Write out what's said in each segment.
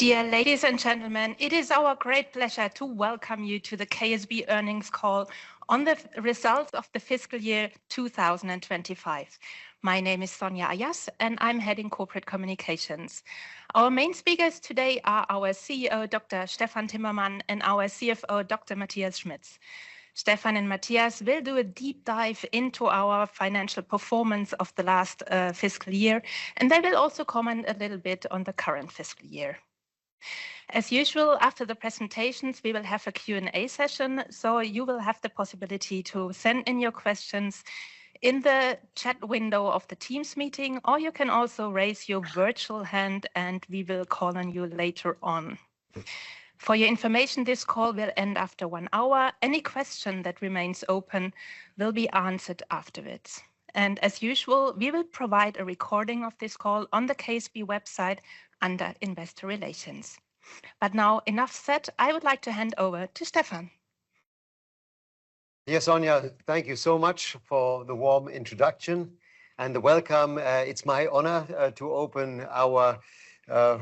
Dear ladies and gentlemen, it is our great pleasure to welcome you to the KSB earnings call on the results of the fiscal year 2025. My name is Sonja Ayasse, and I'm head of corporate communications. Our main speakers today are our CEO, Dr. Stephan Timmermann, and our CFO, Dr. Matthias Schmitz. Stephan and Matthias will do a deep dive into our financial performance of the last fiscal year, and they will also comment a little bit on the current fiscal year. As usual, after the presentations, we will have a Q&A session, so you will have the possibility to send in your questions in the chat window of the Teams meeting, or you can also raise your virtual hand, and we will call on you later on. For your information, this call will end after one hour. Any question that remains open will be answered afterwards. As usual, we will provide a recording of this call on the KSB website under Investor Relations. Now enough said, I would like to hand over to Stephan. Yes, Sonja, thank you so much for the warm introduction and the welcome. It's my honor to open our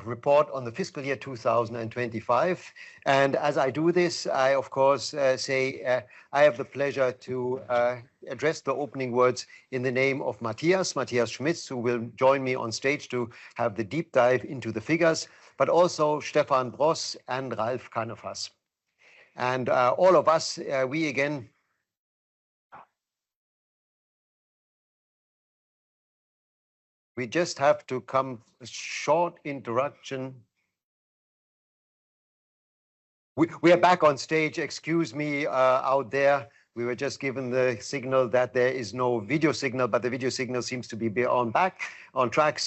report on the fiscal year 2025. As I do this, I of course say I have the pleasure to address the opening words in the name of Matthias Schmitz, who will join me on stage to have the deep dive into the figures, but also Stephan Bross and Ralf Kannefass. All of us, we again had a short interruption. We are back on stage. Excuse me, out there. We were just given the signal that there is no video signal, but the video signal seems to be back on track.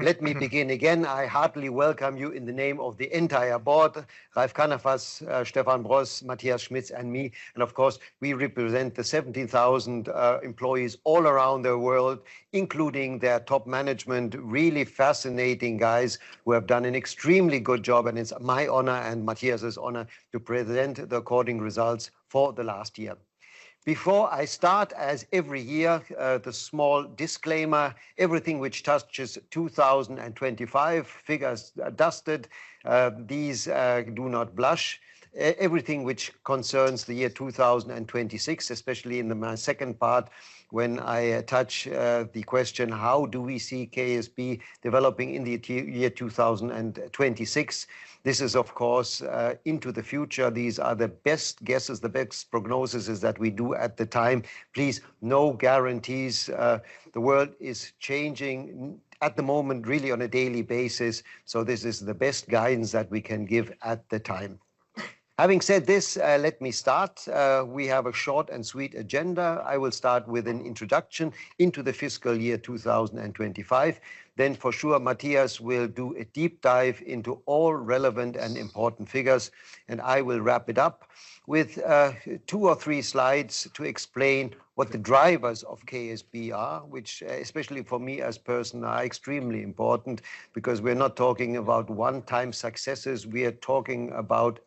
Let me begin again. I heartily welcome you in the name of the entire board, Ralf Kannefass, Stephan Bross, Matthias Schmitz, and me. Of course, we represent the 17,000 employees all around the world, including their top management, really fascinating guys who have done an extremely good job. It's my honor and Matthias' honor to present the according results for the last year. Before I start, as every year, the small disclaimer, everything which touches 2025 figures. Everything which concerns the year 2026, especially in the second part when I touch the question, how do we see KSB developing in the year 2026? This is of course into the future. These are the best guesses, the best prognoses that we do at the time. Please, no guarantees. The world is changing at the moment, really on a daily basis. This is the best guidance that we can give at the time. Having said this, let me start. We have a short and sweet agenda. I will start with an introduction into the fiscal year 2025. Then for sure, Matthias will do a deep dive into all relevant and important figures. I will wrap it up with two or three slides to explain what the drivers of KSB are, which especially for me as person are extremely important because we're not talking about one-time successes. We are talking about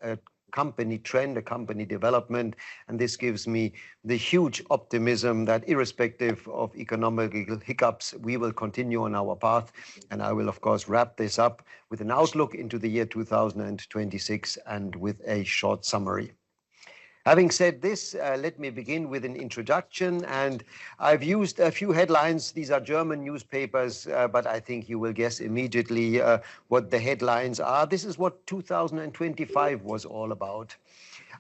a company trend, a company development, and this gives me the huge optimism that irrespective of economic hiccups, we will continue on our path. I will of course wrap this up with an outlook into the year 2026 and with a short summary. Having said this, let me begin with an introduction, and I've used a few headlines. These are German newspapers, but I think you will guess immediately what the headlines are. This is what 2025 was all about.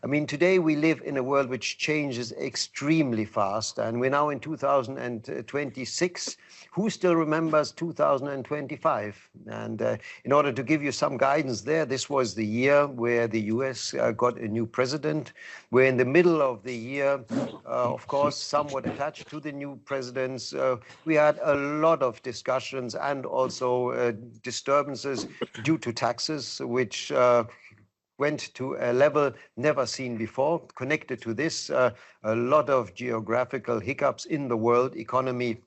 I mean, today we live in a world which changes extremely fast, and we're now in 2026. Who still remembers 2025? In order to give you some guidance there, this was the year where the U.S. got a new president, where in the middle of the year, of course, somewhat attached to the new presidents, we had a lot of discussions and also, disturbances due to taxes, which went to a level never seen before. Connected to this, a lot of geographical hiccups in the world economy.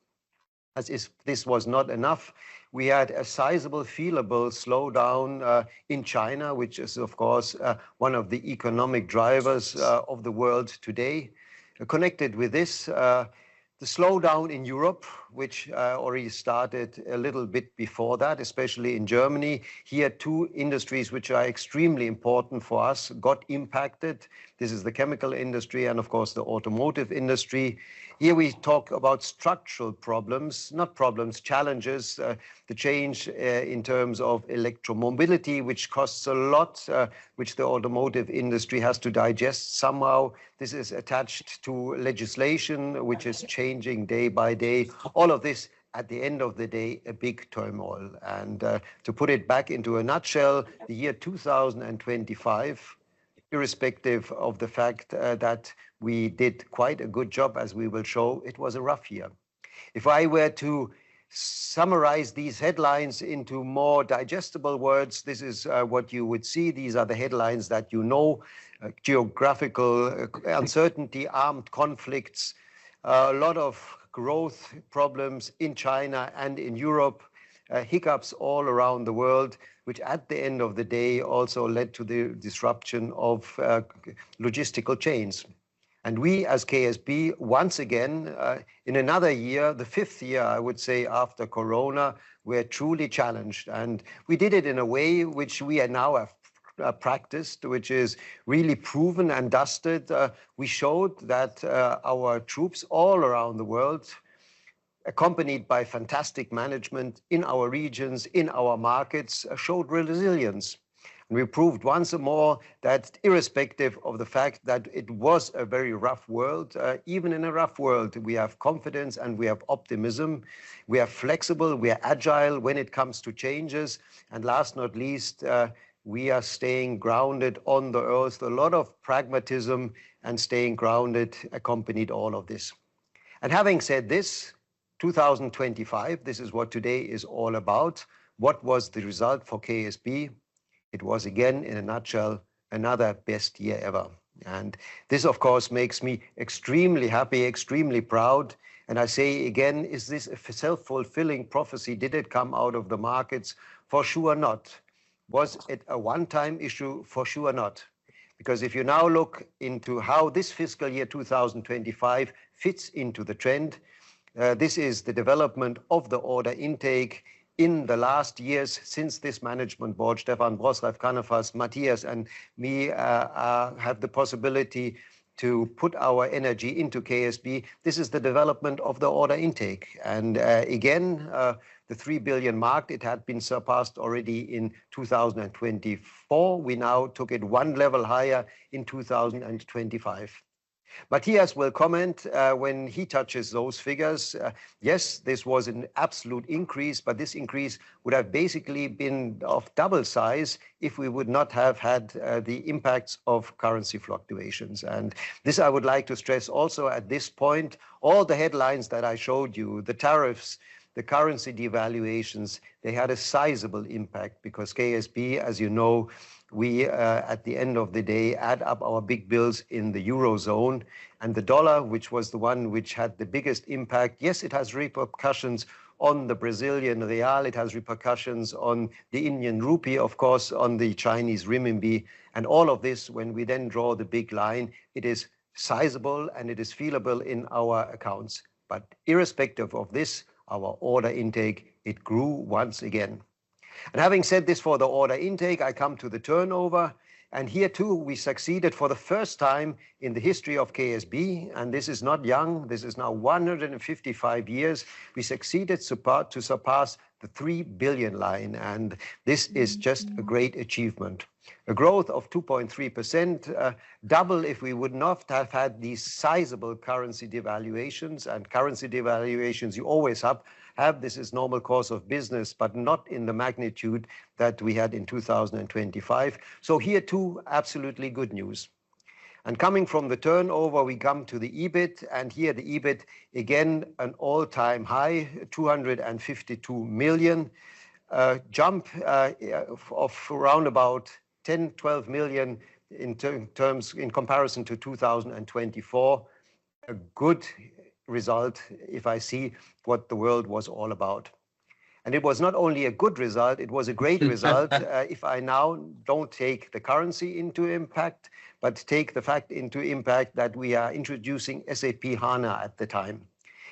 As if this was not enough, we had a sizable, feelable slowdown in China, which is of course, one of the economic drivers of the world today. Connected with this, the slowdown in Europe, which already started a little bit before that, especially in Germany. Here, two industries which are extremely important for us got impacted. This is the chemical industry and of course the automotive industry. Here we talk about structural problems, not problems, challenges, the change in terms of electro mobility, which costs a lot, which the automotive industry has to digest somehow. This is attached to legislation which is changing day by day. All of this, at the end of the day, a big turmoil. To put it back into a nutshell, the year 2025, irrespective of the fact that we did quite a good job as we will show, it was a rough year. If I were to summarize these headlines into more digestible words, this is what you would see. These are the headlines that you know, geographical uncertainty, armed conflicts, a lot of growth problems in China and in Europe, hiccups all around the world, which at the end of the day also led to the disruption of logistical chains. We as KSB, once again, in another year, the fifth year, I would say, after Corona, we are truly challenged. We did it in a way which we now have practiced, which is really proven and tested. We showed that our troops all around the world, accompanied by fantastic management in our regions, in our markets, showed real resilience. We proved once more that irrespective of the fact that it was a very rough world, even in a rough world, we have confidence and we have optimism. We are flexible, we are agile when it comes to changes. Last not least, we are staying grounded on the earth. A lot of pragmatism and staying grounded accompanied all of this. Having said this, 2025, this is what today is all about. What was the result for KSB? It was again, in a nutshell, another best year ever. This of course makes me extremely happy, extremely proud. I say again, is this a self-fulfilling prophecy? Did it come out of the markets for sure or not? Was it a one-time issue for sure or not? Because if you now look into how this fiscal year 2025 fits into the trend, this is the development of the order intake in the last years since this management board, Stephan Broß, Ralf Kannefass, Matthias, and me had the possibility to put our energy into KSB. This is the development of the order intake. Again, the 3 billion mark, it had been surpassed already in 2024. We now took it one level higher in 2025. Matthias will comment when he touches those figures. Yes, this was an absolute increase, but this increase would have basically been of double size if we would not have had the impacts of currency fluctuations. This I would like to stress also at this point, all the headlines that I showed you, the tariffs, the currency devaluations, they had a sizable impact because KSB, as you know, we at the end of the day add up our big bills in the Eurozone and the US dollar, which was the one which had the biggest impact. Yes, it has repercussions on the Brazilian real, it has repercussions on the Indian rupee, of course, on the Chinese renminbi. All of this, when we then draw the big line, it is sizable and it is feelable in our accounts. Irrespective of this, our order intake, it grew once again. Having said this for the order intake, I come to the turnover. Here too, we succeeded for the first time in the history of KSB, and this is not young, this is now 155 years, we succeeded to surpass the 3 billion line and this is just a great achievement. A growth of 2.3%, double if we would not have had these sizable currency devaluations. Currency devaluations you always have. This is normal course of business, but not in the magnitude that we had in 2025. Here too, absolutely good news. Coming from the turnover, we come to the EBIT. Here the EBIT, again, an all-time high, 252 million. A jump of around about 10-12 million in terms in comparison to 2024. A good result if I see what the world was all about. It was not only a good result, it was a great result. If I now don't take the currency into account, but take the fact into account that we are introducing SAP S/4HANA at the time.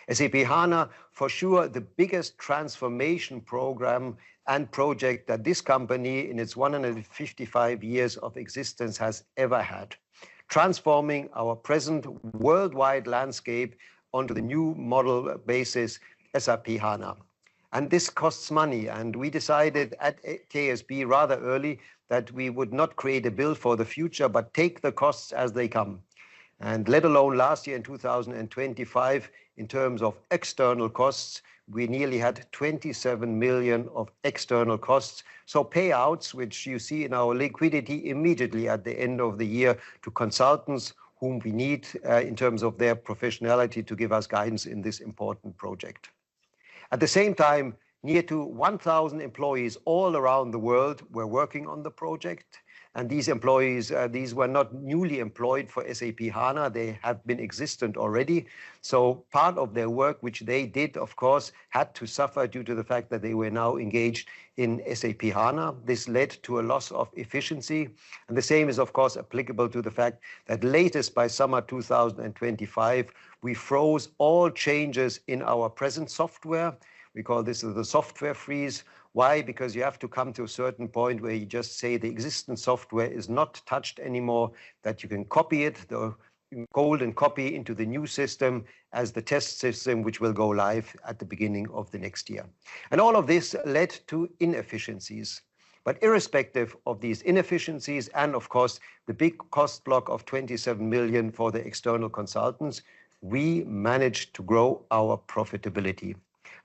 SAP S/4HANA, for sure, the biggest transformation program and project that this company in its 155 years of existence has ever had. Transforming our present worldwide landscape onto the new model basis, SAP S/4HANA. This costs money, and we decided at KSB rather early that we would not create a bill for the future, but take the costs as they come. Let alone last year in 2025, in terms of external costs, we nearly had 27 million of external costs. Payouts, which you see in our liquidity immediately at the end of the year to consultants whom we need in terms of their professionality to give us guidance in this important project. At the same time, nearly 1,000 employees all around the world were working on the project. These employees, these were not newly employed for SAP S/4HANA. They have been existent already. Part of their work, which they did, of course, had to suffer due to the fact that they were now engaged in SAP S/4HANA. This led to a loss of efficiency. The same is of course applicable to the fact that latest by summer 2025, we froze all changes in our present software. We call this the software freeze. Why? Because you have to come to a certain point where you just say the existing software is not touched anymore, that you can copy it, the golden copy into the new system as the test system which will go live at the beginning of the next year. All of this led to inefficiencies. Irrespective of these inefficiencies and of course, the big cost block of 27 million for the external consultants, we managed to grow our profitability.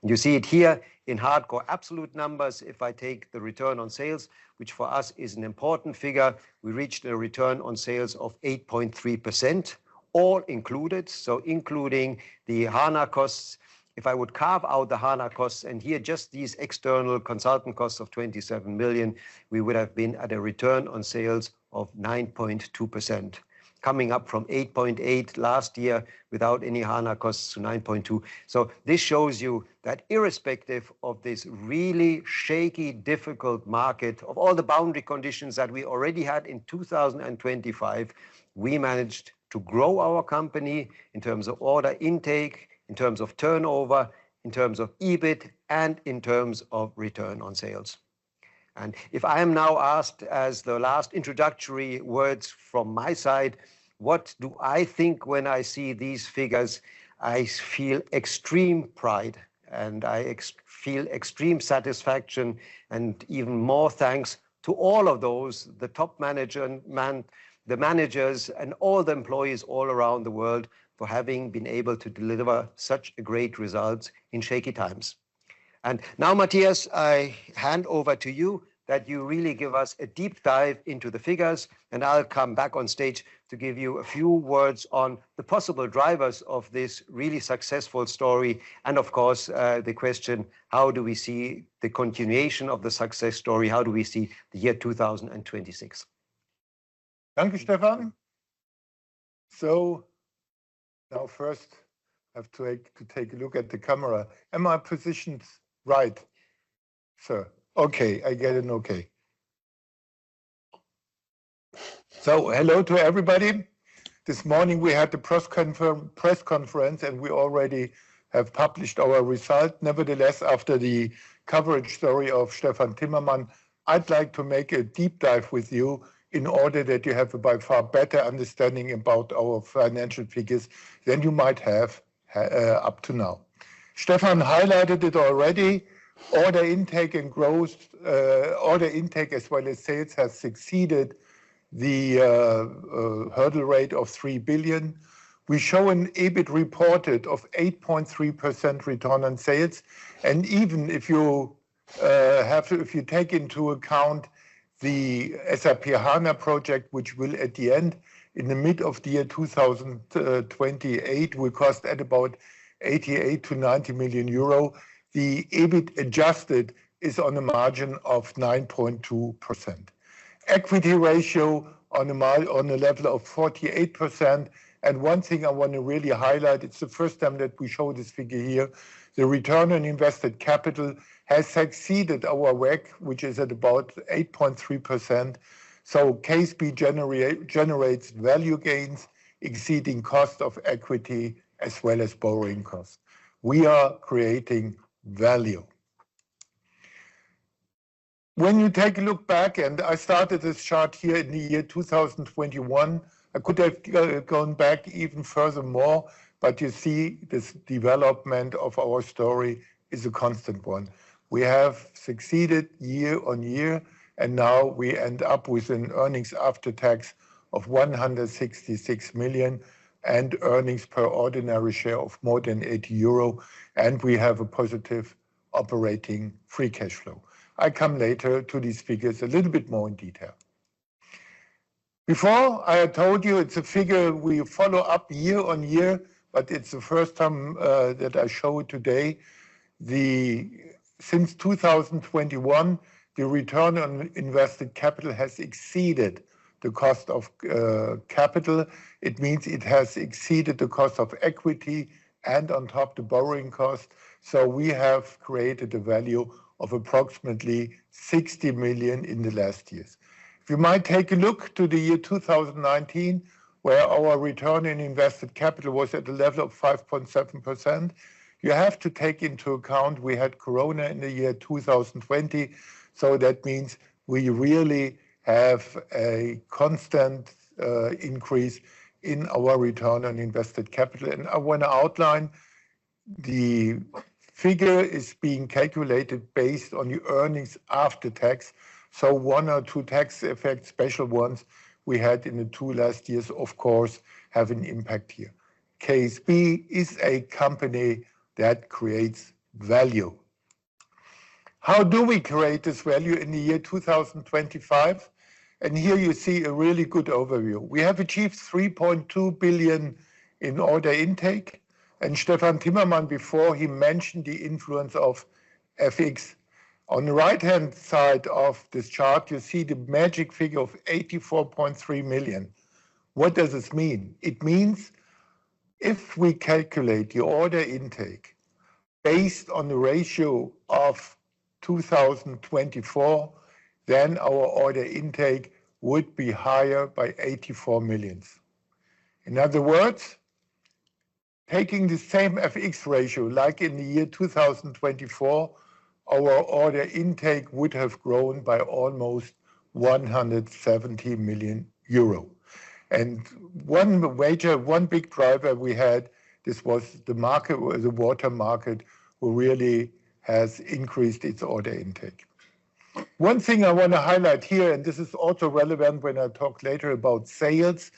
You see it here in hardcore absolute numbers. If I take the return on sales, which for us is an important figure, we reached a return on sales of 8.3%, all included. Including the HANA costs. If I would carve out the HANA costs and here just these external consultant costs of 27 million, we would have been at a return on sales of 9.2%. Coming up from 8.8% last year without any HANA costs to 9.2%. This shows you that irrespective of this really shaky, difficult market, of all the boundary conditions that we already had in 2025, we managed to grow our company in terms of order intake, in terms of turnover, in terms of EBIT, and in terms of return on sales. If I am now asked as the last introductory words from my side, what do I think when I see these figures? I feel extreme pride and I feel extreme satisfaction and even more thanks to all of those, the top managers and all the employees all around the world for having been able to deliver such great results in shaky times. Now, Matthias, I hand over to you that you really give us a deep dive into the figures, and I'll come back on stage to give you a few words on the possible drivers of this really successful story and of course, the question, how do we see the continuation of the success story? How do we see the year 2026? Danke, Stephan. Now first I have to take a look at the camera. Am I positioned right, sir? Okay, I get an okay. Hello to everybody. This morning we had the press conference, and we already have published our result. Nevertheless, after the coverage story of Stephan Timmermann, I'd like to make a deep dive with you in order that you have a by far better understanding about our financial figures than you might have up to now. Stephan highlighted it already. Order intake and growth, order intake as well as sales has exceeded the hurdle rate of 3 billion. We show an EBIT reported of 8.3% return on sales. Even if you have to If you take into account the SAP S/4HANA project, which will, at the end in the mid of the year 2028, cost about 88 million-90 million euro, the EBIT adjusted is on a margin of 9.2%. Equity ratio on a level of 48%. One thing I want to really highlight, it's the first time that we show this figure here, the return on invested capital has exceeded our WACC, which is at about 8.3%. KSB generates value gains exceeding cost of equity as well as borrowing costs. We are creating value. When you take a look back, I started this chart here in the year 2021. I could have gone back even furthermore, but you see this development of our story is a constant one. We have succeeded year on year, and now we end up with an earnings after tax of 166 million and earnings per ordinary share of more than 80 euro, and we have a positive operating free cash flow. I come later to these figures a little bit more in detail. Before I had told you it's a figure we follow up year on year, but it's the first time that I show it today. Since 2021, the return on invested capital has exceeded the cost of capital. It means it has exceeded the cost of equity and on top the borrowing cost, so we have created a value of approximately 60 million in the last years. If you might take a look to the year 2019, where our return on invested capital was at the level of 5.7%, you have to take into account we had Corona in the year 2020, so that means we really have a constant increase in our return on invested capital. I wanna outline the figure is being calculated based on your earnings after tax, so one or two tax effects, special ones we had in the two last years, of course, have an impact here. KSB is a company that creates value. How do we create this value in the year 2025? Here you see a really good overview. We have achieved 3.2 billion in order intake, and Stephan Timmermann before he mentioned the influence of FX. On the right-hand side of this chart, you see the magic figure of 84.3 million. What does this mean? It means if we calculate the order intake based on the ratio of 2024, then our order intake would be higher by 84 million. In other words, taking the same FX ratio like in the year 2024, our order intake would have grown by almost 170 million euro. One major, one big driver we had, this was the market, the water market really has increased its order intake. One thing I wanna highlight here, and this is also relevant when I talk later about sales,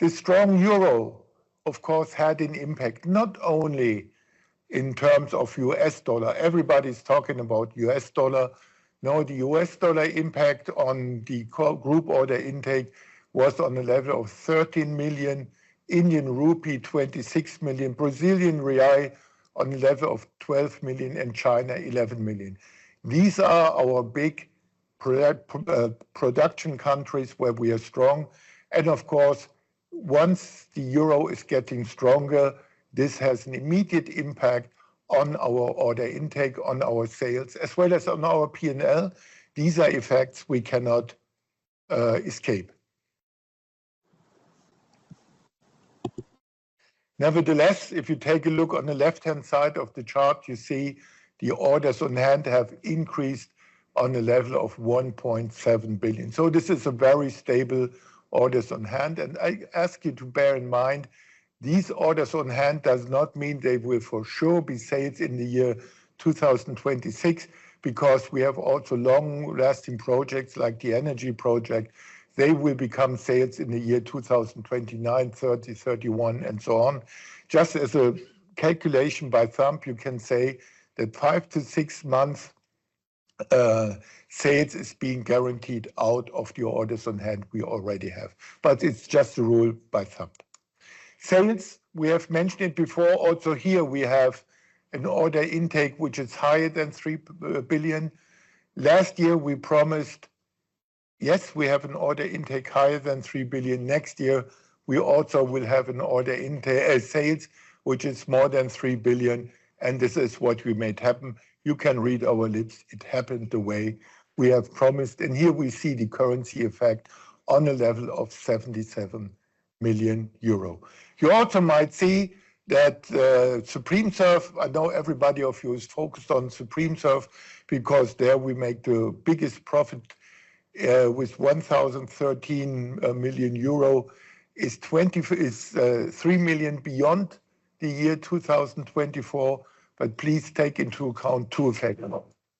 the strong euro of course had an impact, not only in terms of US dollar. Everybody's talking about US dollar. No, the US dollar impact on the KSB Group order intake was on the level of 13 million Indian rupee, BRL 26 million on the level of 12 million and China 11 million. These are our big production countries where we are strong. Of course, once the euro is getting stronger, this has an immediate impact on our order intake, on our sales, as well as on our P&L. These are effects we cannot escape. Nevertheless, if you take a look on the left-hand side of the chart, you see the orders on hand have increased on a level of 1.7 billion. This is a very stable orders on hand. I ask you to bear in mind, these orders on hand does not mean they will for sure be sales in the year 2026, because we have also long-lasting projects like the energy project. They will become sales in the year 2029, 2030, 2031 and so on. Just as a calculation of thumb, you can say that 5-6 months sales is being guaranteed out of the orders on hand we already have. But it's just a rule of thumb. Sales, we have mentioned before also here we have an order intake which is higher than 3 billion. Last year we promised, yes, we have an order intake higher than 3 billion next year. We also will have an order intake as sales, which is more than 3 billion, and this is what we made happen. You can read our lips. It happened the way we have promised. Here we see the currency effect on a level of 77 million euro. You also might see that, SupremeServ—I know everybody of you is focused on SupremeServ because there we make the biggest profit, with 1,013 million euro is twenty-three million beyond the year 2024, but please take into account two effects.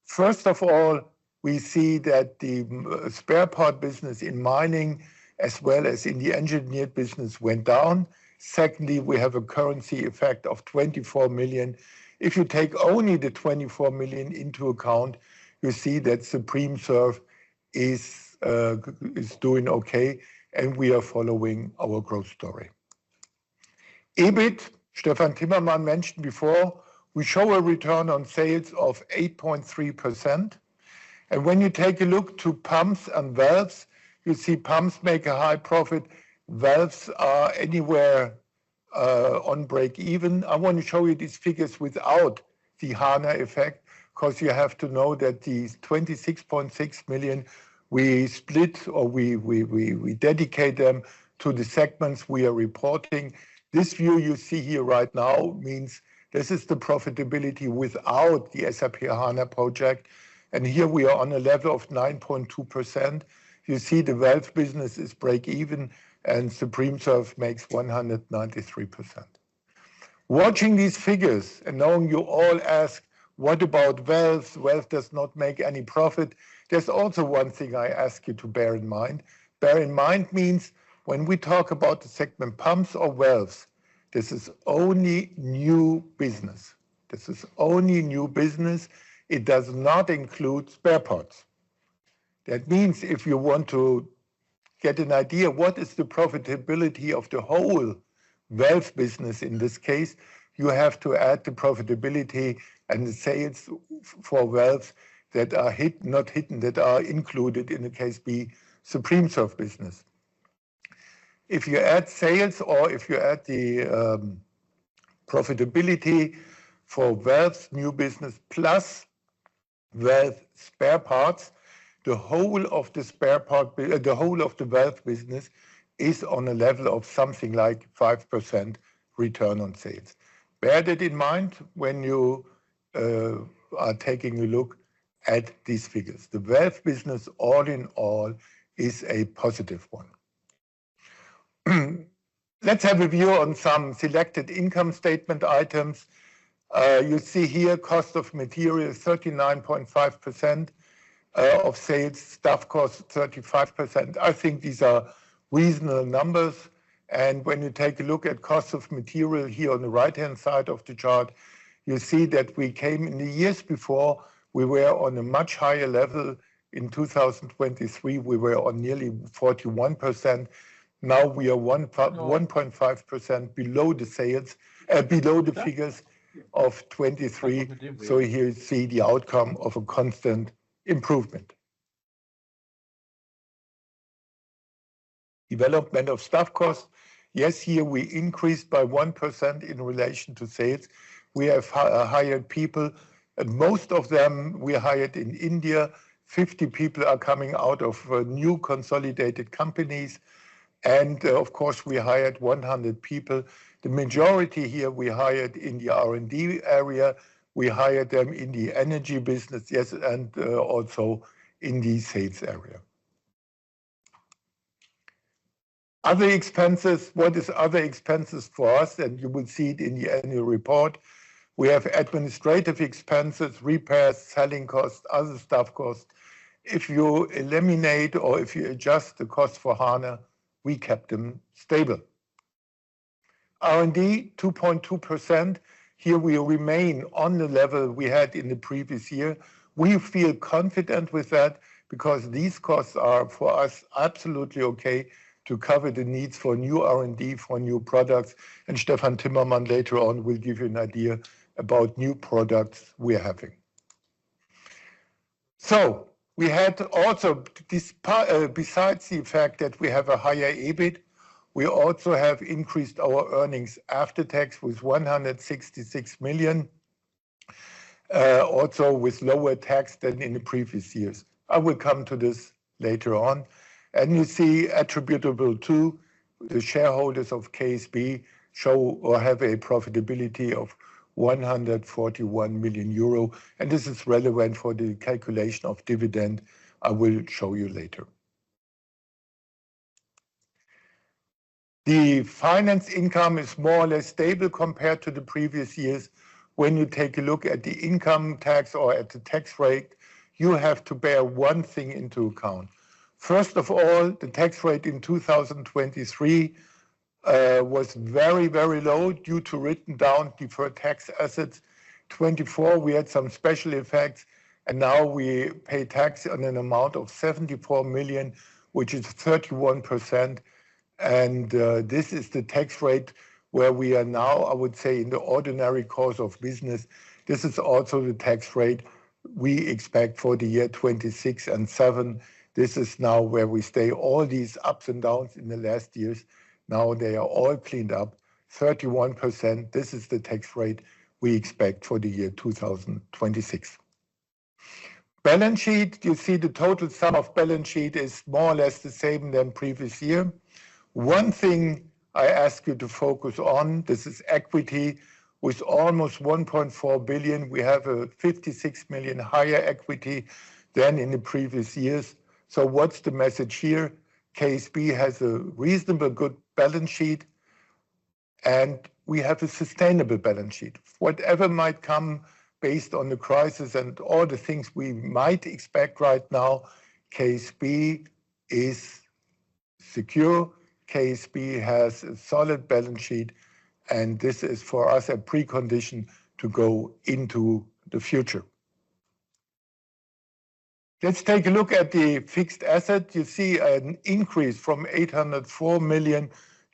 First of all, we see that the spare part business in mining as well as in the engineered business went down. Secondly, we have a currency effect of 24 million. If you take only the 24 million into account, you see that SupremeServ is doing okay and we are following our growth story. EBIT, Stephan Timmermann mentioned before, we show a return on sales of 8.3%. When you take a look to pumps and valves, you see pumps make a high profit. Valves are anywhere on break-even. I want to show you these figures without the HANA effect because you have to know that these 26.6 million we split or we dedicate them to the segments we are reporting. This view you see here right now means this is the profitability without the SAP HANA project. Here we are on a level of 9.2%. You see the valve business is break-even and SupremeServ makes 19.3%. Watching these figures and knowing you all ask, "What about valves? Valves does not make any profit." There's also one thing I ask you to bear in mind. Bear in mind means when we talk about the segment pumps or valves, this is only new business. It does not include spare parts. That means if you want to get an idea what is the profitability of the whole valve business in this case, you have to add the profitability and the sales for valves that are hidden, that are included in the KSB SupremeServ business. If you add sales or if you add the profitability for valves new business plus valve spare parts, the whole of the valve business is on a level of something like 5% return on sales. Bear that in mind when you are taking a look at these figures. The valve business all in all is a positive one. Let's have a view on some selected income statement items. You see here cost of material is 39.5% of sales. Staff cost, 35%. I think these are reasonable numbers. When you take a look at cost of material here on the right-hand side of the chart, you see that we came in the years before, we were on a much higher level. In 2023, we were on nearly 41%. Now we are 1.5% below the figures of 2023. Here you see the outcome of a constant improvement. Development of staff costs. Yes, here we increased by 1% in relation to sales. We have hired people, and most of them we hired in India. 50 people are coming out of new consolidated companies. Of course, we hired 100 people. The majority here we hired in the R&D area. We hired them in the energy business, yes, and also in the sales area. Other expenses. What is other expenses for us? You will see it in the annual report. We have administrative expenses, repairs, selling costs, other staff costs. If you eliminate or if you adjust the cost for HANA, we kept them stable. R&D, 2.2%. Here we remain on the level we had in the previous year. We feel confident with that because these costs are, for us, absolutely okay to cover the needs for new R&D, for new products. Stephan Timmermann later on will give you an idea about new products we are having. Besides the fact that we have a higher EBIT, we also have increased our earnings after tax to 166 million, also with lower tax than in the previous years. I will come to this later on. You see attributable to the shareholders of KSB SE & Co. KGaA which have a profitability of 141 million euro, and this is relevant for the calculation of dividend I will show you later. The finance income is more or less stable compared to the previous years. When you take a look at the income tax or at the tax rate, you have to take one thing into account. First of all, the tax rate in 2023 was very, very low due to written down deferred tax assets. In 2024, we had some special effects, and now we pay tax on an amount of 74 million, which is 31%. This is the tax rate where we are now, I would say, in the ordinary course of business. This is also the tax rate we expect for the year 2026 and 2027. This is now where we stay. All these ups and downs in the last years, now they are all cleaned up. 31%, this is the tax rate we expect for the year 2026. Balance sheet, you see the total sum of balance sheet is more or less the same than previous year. One thing I ask you to focus on, this is equity. With almost 1.4 billion, we have a 56 million higher equity than in the previous years. What's the message here? KSB has a reasonably good balance sheet, and we have a sustainable balance sheet. Whatever might come based on the crisis and all the things we might expect right now, KSB is secure. KSB has a solid balance sheet and this is for us a precondition to go into the future. Let's take a look at the fixed asset. You see an increase from 804 million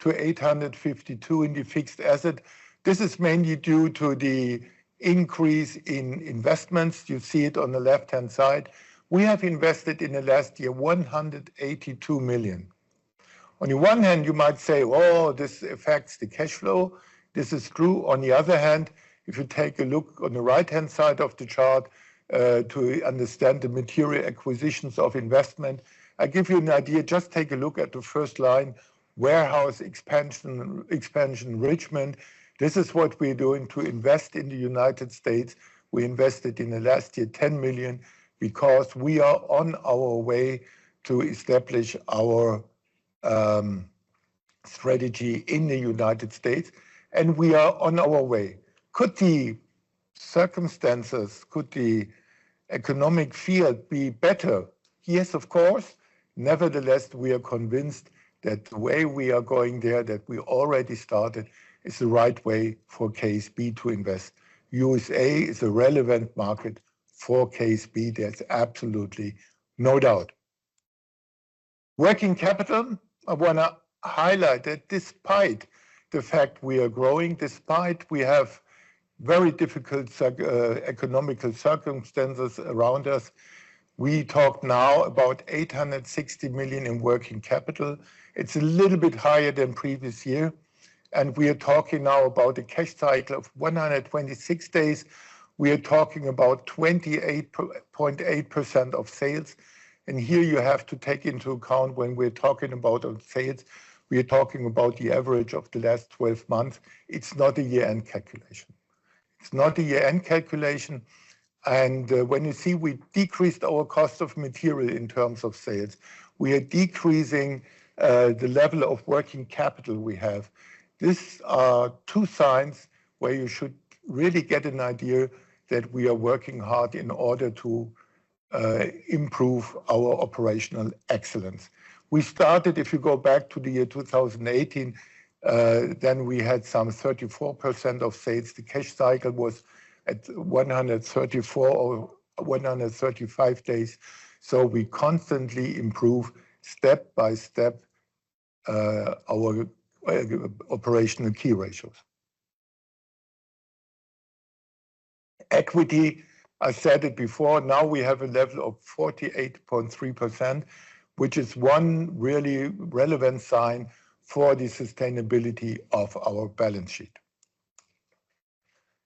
to 852 million in the fixed asset. This is mainly due to the increase in investments. You see it on the left-hand side. We have invested in the last year 182 million. On the one hand, you might say, "Oh, this affects the cash flow." This is true. On the other hand, if you take a look on the right-hand side of the chart, to understand the material acquisitions of investment, I give you an idea. Just take a look at the first line, warehouse expansion Richmond. This is what we're doing to invest in the United States. We invested in the last year 10 million because we are on our way to establish our strategy in the United States, and we are on our way. Could the circumstances, could the economic field be better? Yes, of course. Nevertheless, we are convinced that the way we are going there, that we already started, is the right way for KSB to invest. USA is a relevant market for KSB. There's absolutely no doubt. Working capital, I wanna highlight that despite the fact we are growing, despite we have very difficult economical circumstances around us, we talk now about 860 million in working capital. It's a little bit higher than previous year, and we are talking now about a cash cycle of 126 days. We are talking about 28.8% of sales, and here you have to take into account when we're talking about our sales, we are talking about the average of the last 12 months. It's not a year-end calculation and, when you see we decreased our cost of material in terms of sales, we are decreasing the level of working capital we have. These are two signs where you should really get an idea that we are working hard in order to improve our operational excellence. We started, if you go back to the year 2018, then we had some 34% of sales. The cash cycle was at 134 or 135 days. We constantly improve step by step our operational key ratios. Equity, I said it before, now we have a level of 48.3%, which is one really relevant sign for the sustainability of our balance sheet.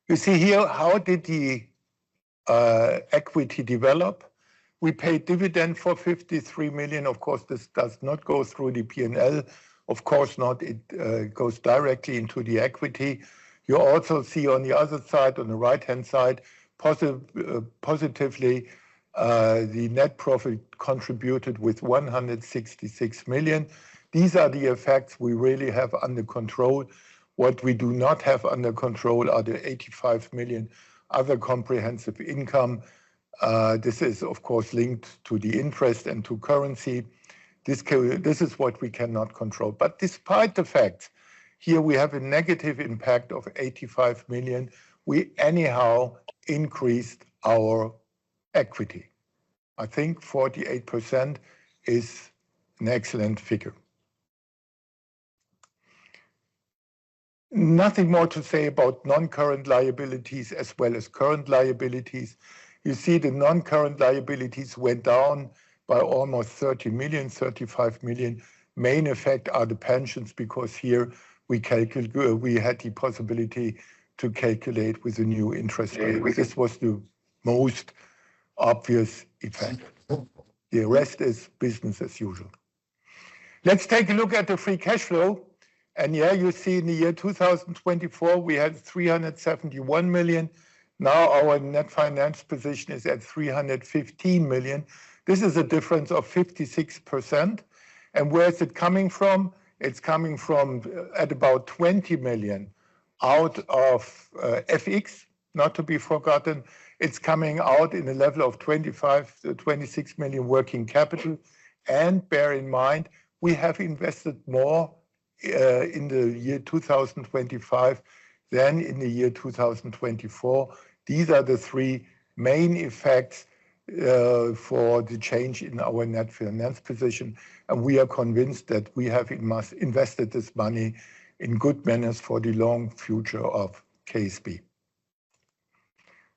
You see here, how did the equity develop? We paid dividend for 53 million. Of course, this does not go through the P&L. Of course not. It goes directly into the equity. You also see on the other side, on the right-hand side, positively the net profit contributed with 166 million. These are the effects we really have under control. What we do not have under control are the 85 million other comprehensive income. This is of course linked to the interest and to currency. This is what we cannot control. Despite the fact, here we have a negative impact of 85 million, we anyhow increased our equity. I think 48% is an excellent figure. Nothing more to say about non-current liabilities as well as current liabilities. You see the non-current liabilities went down by almost 30 million, 35 million. Main effect are the pensions, because here we had the possibility to calculate with the new interest rate. This was the most obvious effect. The rest is business as usual. Let's take a look at the free cash flow. Here you see in the year 2024, we had 371 million. Now our net finance position is at 315 million. This is a difference of 56%. Where is it coming from? It's coming from at about 20 million out of FX, not to be forgotten. It's coming out in a level of 25 million-26 million working capital. Bear in mind, we have invested more in the year 2025 than in the year 2024. These are the three main effects for the change in our net finance position, and we are convinced that we have invested this money in good manners for the long future of KSB.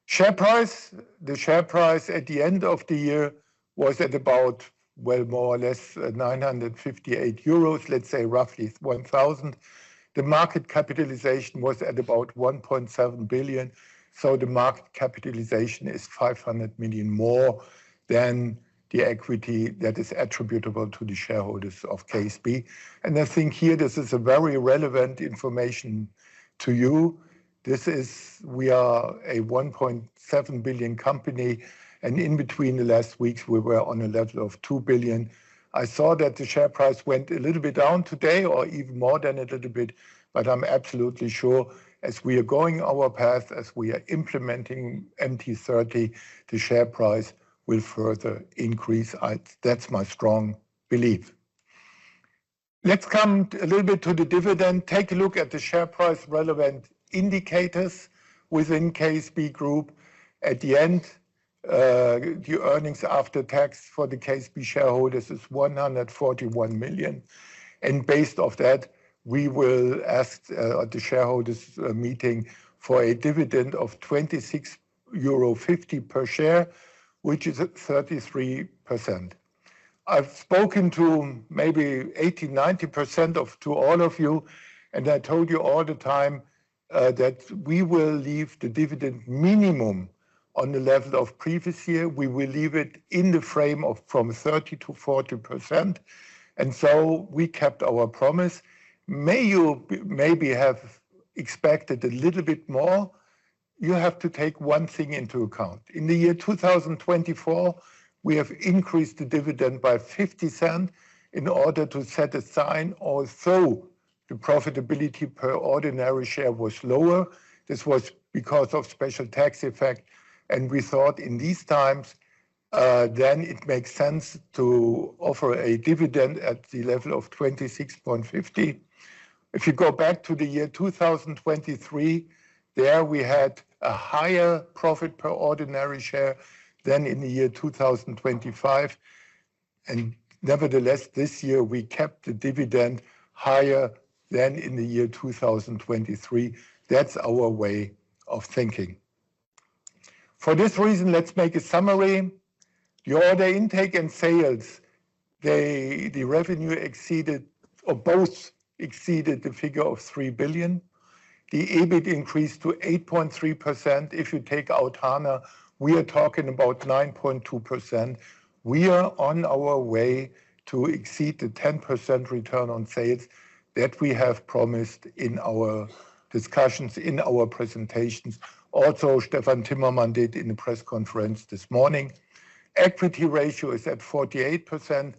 Share price. The share price at the end of the year was at about, well, more or less, 958 euros, let's say roughly 1,000. The market capitalization was at about 1.7 billion. The market capitalization is 500 million more than the equity that is attributable to the shareholders of KSB. I think here this is a very relevant information to you. This is. We are a 1.7 billion company, and in between the last weeks, we were on a level of 2 billion. I saw that the share price went a little bit down today or even more than a little bit. But I'm absolutely sure as we are going our path, as we are implementing MT30, the share price will further increase. That's my strong belief. Let's come a little bit to the dividend. Take a look at the share price relevant indicators within KSB Group. At the end, the earnings after tax for the KSB shareholders is 141 million. Based off that, we will ask at the shareholders meeting for a dividend of 26.50 euro per share, which is at 33%. I've spoken to maybe 80%-90% of you, and I told you all the time that we will leave the dividend minimum on the level of previous year. We will leave it in the range from 30%-40%, and so we kept our promise. You may have expected a little bit more. You have to take one thing into account. In the year 2024, we have increased the dividend by 0.50 in order to set a sign, although the profitability per ordinary share was lower. This was because of special tax effect. We thought in these times, then it makes sense to offer a dividend at the level of 26.50. If you go back to the year 2023, there we had a higher profit per ordinary share than in the year 2025. Nevertheless, this year we kept the dividend higher than in the year 2023. That's our way of thinking. For this reason, let's make a summary. The order intake and sales revenue both exceeded the figure of 3 billion. The EBIT increased to 8.3%. If you take out Hana, we are talking about 9.2%. We are on our way to exceed the 10% return on sales that we have promised in our discussions, in our presentations. Also, Stephan Timmermann did in the press conference this morning. Equity ratio is at 48%.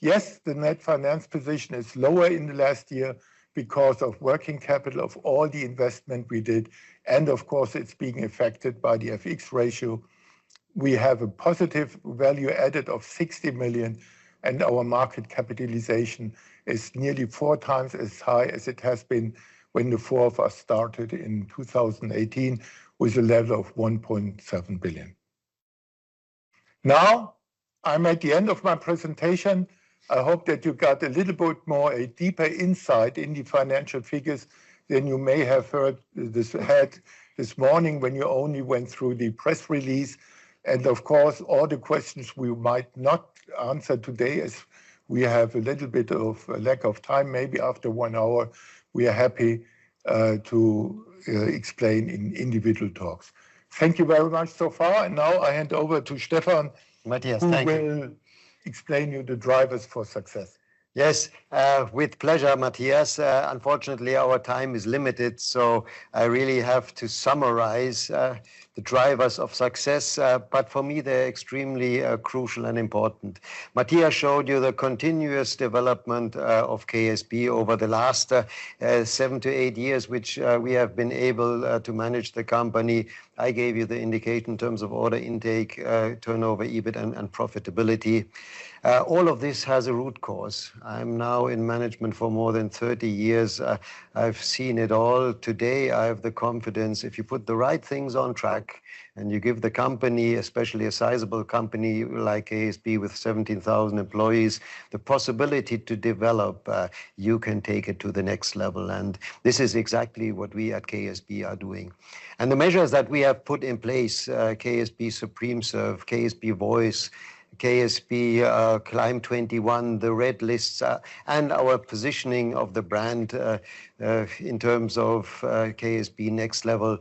Yes, the net finance position is lower in the last year because of working capital of all the investment we did, and of course, it's being affected by the FX ratio. We have a positive value added of 60 million, and our market capitalization is nearly four times as high as it has been when the four of us started in 2018 with a level of 1.7 billion. Now, I'm at the end of my presentation. I hope that you got a little bit more a deeper insight in the financial figures than you may have had this morning when you only went through the press release. Of course, all the questions we might not answer today as we have a little bit of a lack of time, maybe after 1 hour, we are happy to explain in individual talks. Thank you very much so far. Now I hand over to Stephan- Matthias, thank you. who will explain to you the drivers for success. Yes, with pleasure, Matthias. Unfortunately, our time is limited, so I really have to summarize the drivers of success. For me, they're extremely crucial and important. Matthias showed you the continuous development of KSB over the last 7-8 years, which we have been able to manage the company. I gave you the indicator in terms of order intake, turnover, EBIT and profitability. All of this has a root cause. I'm now in management for more than 30 years. I've seen it all. Today, I have the confidence, if you put the right things on track and you give the company, especially a sizable company like KSB with 17,000 employees, the possibility to develop, you can take it to the next level. This is exactly what we at KSB are doing. The measures that we have put in place, KSB SupremeServ, KSB Voice, KSB, Climb 21, the Red List, and our positioning of the brand, in terms of, KSB Next Level,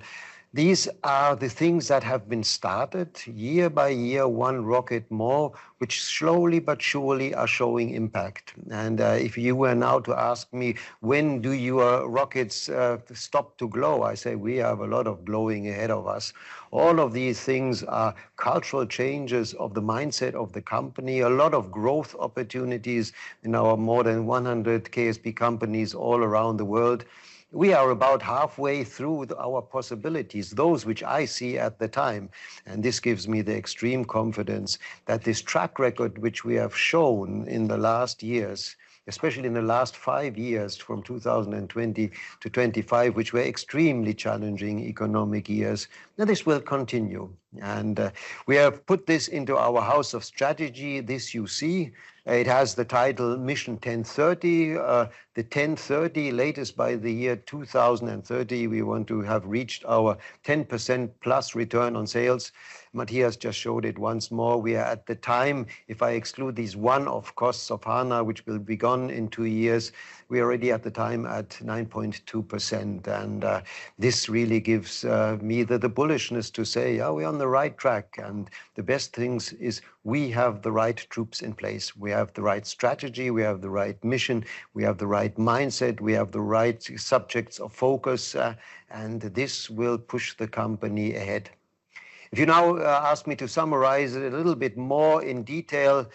these are the things that have been started year by year, one rocket more, which slowly but surely are showing impact. If you were now to ask me, "When do your rockets stop to glow?" I say, "We have a lot of glowing ahead of us." All of these things are cultural changes of the mindset of the company. A lot of growth opportunities in our more than 100 KSB companies all around the world. We are about halfway through with our possibilities, those which I see at the time, and this gives me the extreme confidence that this track record which we have shown in the last years, especially in the last five years, from 2020 to 2025, which were extremely challenging economic years, that this will continue. We have put this into our house of strategy. This you see, it has the title Mission TEN 30. TEN 30, latest by the year 2030, we want to have reached our 10%+ return on sales. Matthias just showed it once more. We are at the time, if I exclude these one-off costs of HANA, which will be gone in two years, we are already at the time at 9.2%. This really gives me the bullishness to say, "Are we on the right track?" The best things is we have the right troops in place. We have the right strategy. We have the right mission. We have the right mindset. We have the right subjects of focus, and this will push the company ahead. If you now ask me to summarize it a little bit more in detail,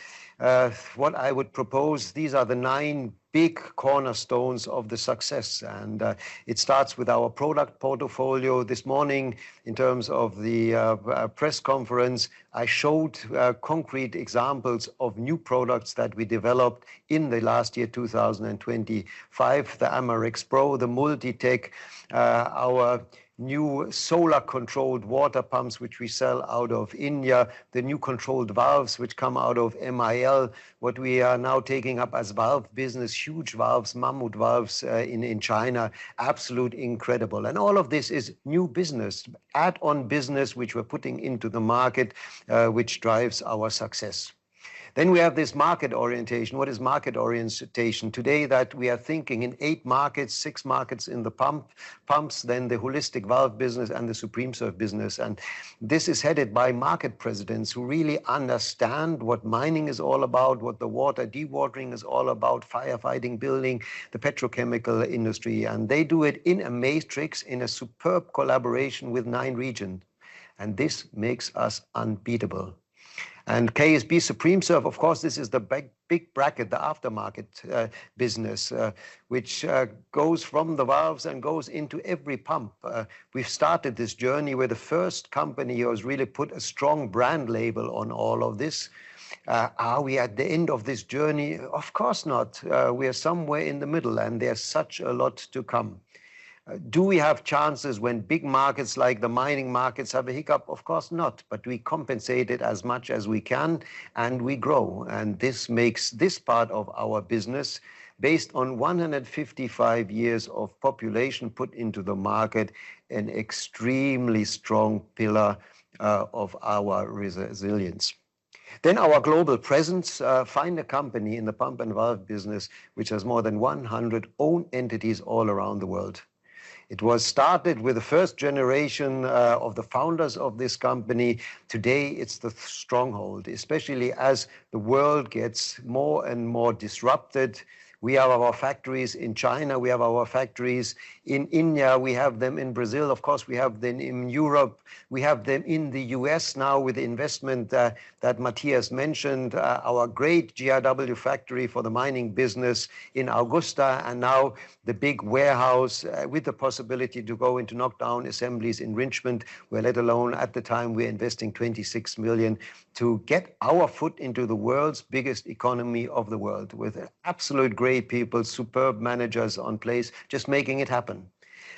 what I would propose, these are the nine big cornerstones of the success. It starts with our product portfolio this morning. In terms of the press conference, I showed concrete examples of new products that we developed in the last year, 2025, the AmaRex Pro, the Multitec, our new solar-controlled water pumps which we sell out of India, the new controlled valves which come out of MIL, what we are now taking up as valve business, huge valves, mammoth valves, in China, absolutely incredible. All of this is new business, add-on business which we're putting into the market, which drives our success. We have this market orientation. What is market orientation? Today that we are thinking in eight markets, six markets in the pumps, the holistic valve business and the SupremeServ business. This is headed by market presidents who really understand what mining is all about, what the water dewatering is all about, firefighting, building, the petrochemical industry. They do it in a matrix in a superb collaboration with nine regions, and this makes us unbeatable. KSB SupremeServ, of course, this is the big bracket, the aftermarket business, which goes from the valves and goes into every pump. We've started this journey. We're the first company who has really put a strong brand label on all of this. Are we at the end of this journey? Of course not. We are somewhere in the middle, and there's such a lot to come. Do we have chances when big markets like the mining markets have a hiccup? Of course not. We compensate it as much as we can, and we grow. This makes this part of our business based on 155 years of reputation put into the market an extremely strong pillar of our resilience. Our global presence, you'll find a company in the pump and valve business which has more than 100 own entities all around the world. It was started with the first generation of the founders of this company. Today, it's the stronghold, especially as the world gets more and more disrupted. We have our factories in China. We have our factories in India. We have them in Brazil. Of course, we have them in Europe. We have them in the U.S. now with the investment that Matthias mentioned, our great GIW factory for the mining business in Augusta and now the big warehouse with the possibility to go into knockdown assemblies in Richmond, where let alone at the time we're investing $26 million to get our foot into the world's biggest economy of the world with absolute great people, superb managers in place just making it happen.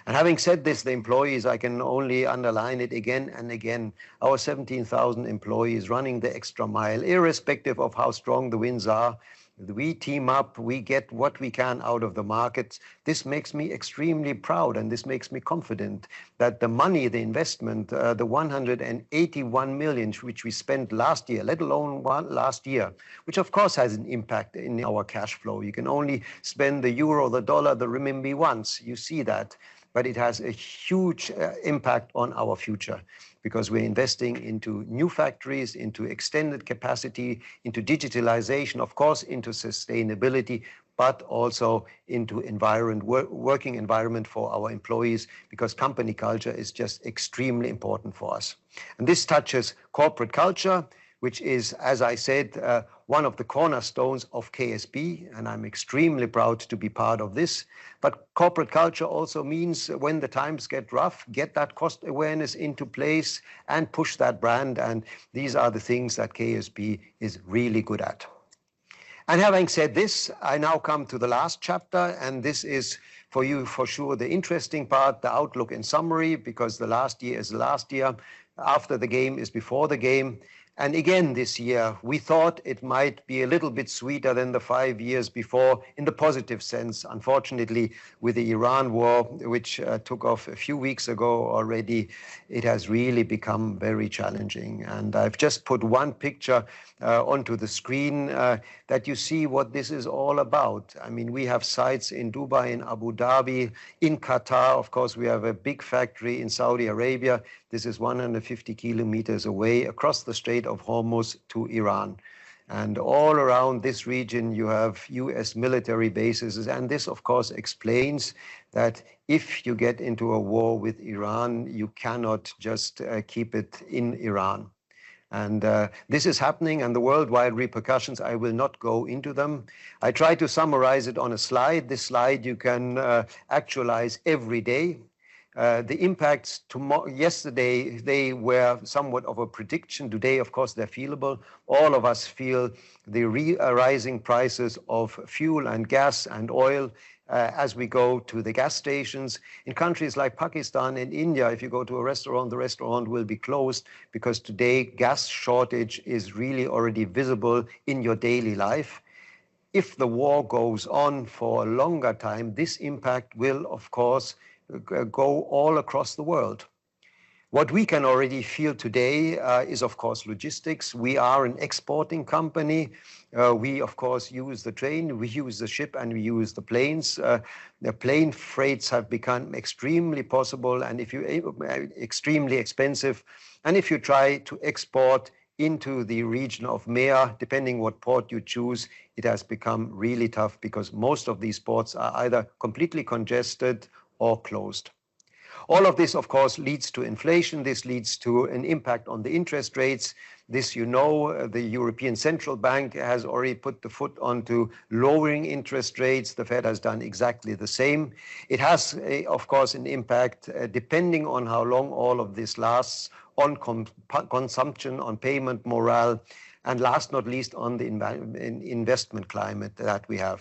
Having said this, the employees, I can only underline it again and again, our 17,000 employees running the extra mile irrespective of how strong the winds are. We team up. We get what we can out of the markets. This makes me extremely proud, and this makes me confident that the money, the investment, the 181 million which we spent last year, let alone one last year, which of course has an impact in our cash flow. You can only spend the euro, the dollar, the renminbi once. You see that. But it has a huge impact on our future because we're investing into new factories, into extended capacity, into digitalization, of course, into sustainability, but also into environment, working environment for our employees because company culture is just extremely important for us. This touches corporate culture, which is, as I said, one of the cornerstones of KSB, and I'm extremely proud to be part of this. Corporate culture also means when the times get rough, get that cost awareness into place and push that brand, and these are the things that KSB is really good at. Having said this, I now come to the last chapter, and this is for you for sure the interesting part, the outlook in summary, because the last year is the last year. After the game is before the game. Again, this year, we thought it might be a little bit sweeter than the five years before in the positive sense. Unfortunately, with the Iran war, which took off a few weeks ago already, it has really become very challenging. I've just put one picture onto the screen that you see what this is all about. I mean, we have sites in Dubai and Abu Dhabi, in Qatar, of course, we have a big factory in Saudi Arabia. This is 150 km away across the Strait of Hormuz to Iran. All around this region, you have U.S. military bases. This, of course, explains that if you get into a war with Iran, you cannot just keep it in Iran. This is happening, and the worldwide repercussions, I will not go into them. I tried to summarize it on a slide. This slide you can actualize every day. The impacts yesterday, they were somewhat of a prediction. Today, of course, they're feelable. All of us feel the rising prices of fuel and gas and oil, as we go to the gas stations. In countries like Pakistan and India, if you go to a restaurant, the restaurant will be closed because today gas shortage is really already visible in your daily life. If the war goes on for a longer time, this impact will of course go all across the world. What we can already feel today is of course logistics. We are an exporting company. We of course use the train, we use the ship, and we use the planes. The plane freights have become extremely expensive. If you try to export into the region of MEA, depending what port you choose, it has become really tough because most of these ports are either completely congested or closed. All of this, of course, leads to inflation. This leads to an impact on the interest rates. This you know, the European Central Bank has already put the foot on to lowering interest rates. The Fed has done exactly the same. It has, of course, an impact, depending on how long all of this lasts, on consumption, on payment morale, and last but not least on the investment climate that we have.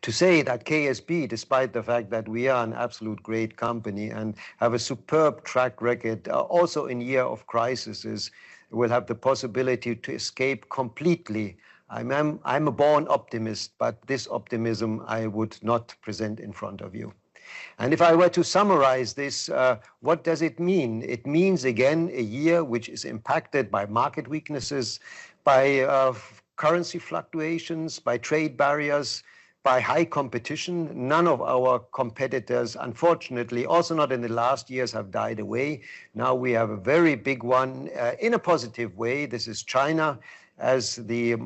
To say that KSB, despite the fact that we are an absolutely great company and have a superb track record, also in years of crisis, will have the possibility to escape completely. I'm a born optimist, but this optimism I would not present in front of you. If I were to summarize this, what does it mean? It means, again, a year which is impacted by market weaknesses, by currency fluctuations, by trade barriers, by high competition. None of our competitors, unfortunately, also not in the last years, have died away. Now we have a very big one, in a positive way. This is China. As the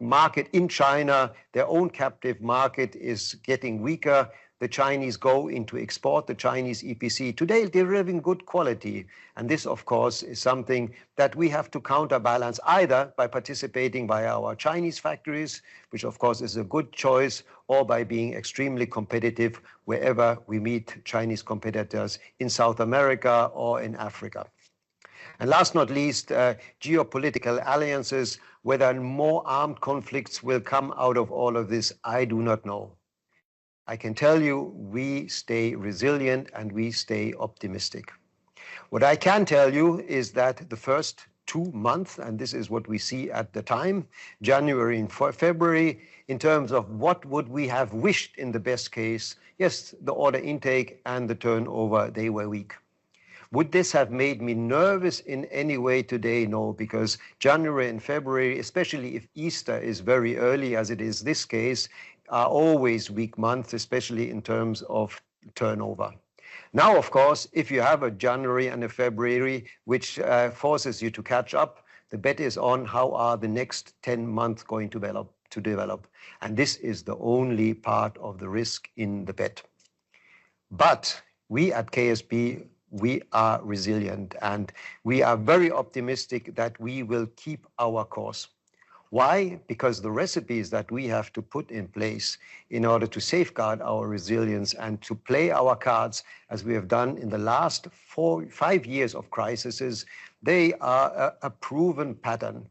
market in China, their own captive market is getting weaker. The Chinese go into export. The Chinese EPC today, they're having good quality. This, of course, is something that we have to counterbalance either by participating by our Chinese factories, which of course is a good choice, or by being extremely competitive wherever we meet Chinese competitors in South America or in Africa. Last but not least, geopolitical alliances, whether more armed conflicts will come out of all of this, I do not know. I can tell you we stay resilient, and we stay optimistic. What I can tell you is that the first two months, and this is what we see at the time, January and February, in terms of what would we have wished in the best case, yes, the order intake and the turnover, they were weak. Would this have made me nervous in any way today? No, because January and February, especially if Easter is very early as it is this case, are always weak months, especially in terms of turnover. Now, of course, if you have a January and a February which forces you to catch up, the bet is on how are the next 10 months going to develop. This is the only part of the risk in the bet. We at KSB, we are resilient, and we are very optimistic that we will keep our course. Why? Because the recipes that we have to put in place in order to safeguard our resilience and to play our cards as we have done in the last four, five years of crisis, they are a proven pattern.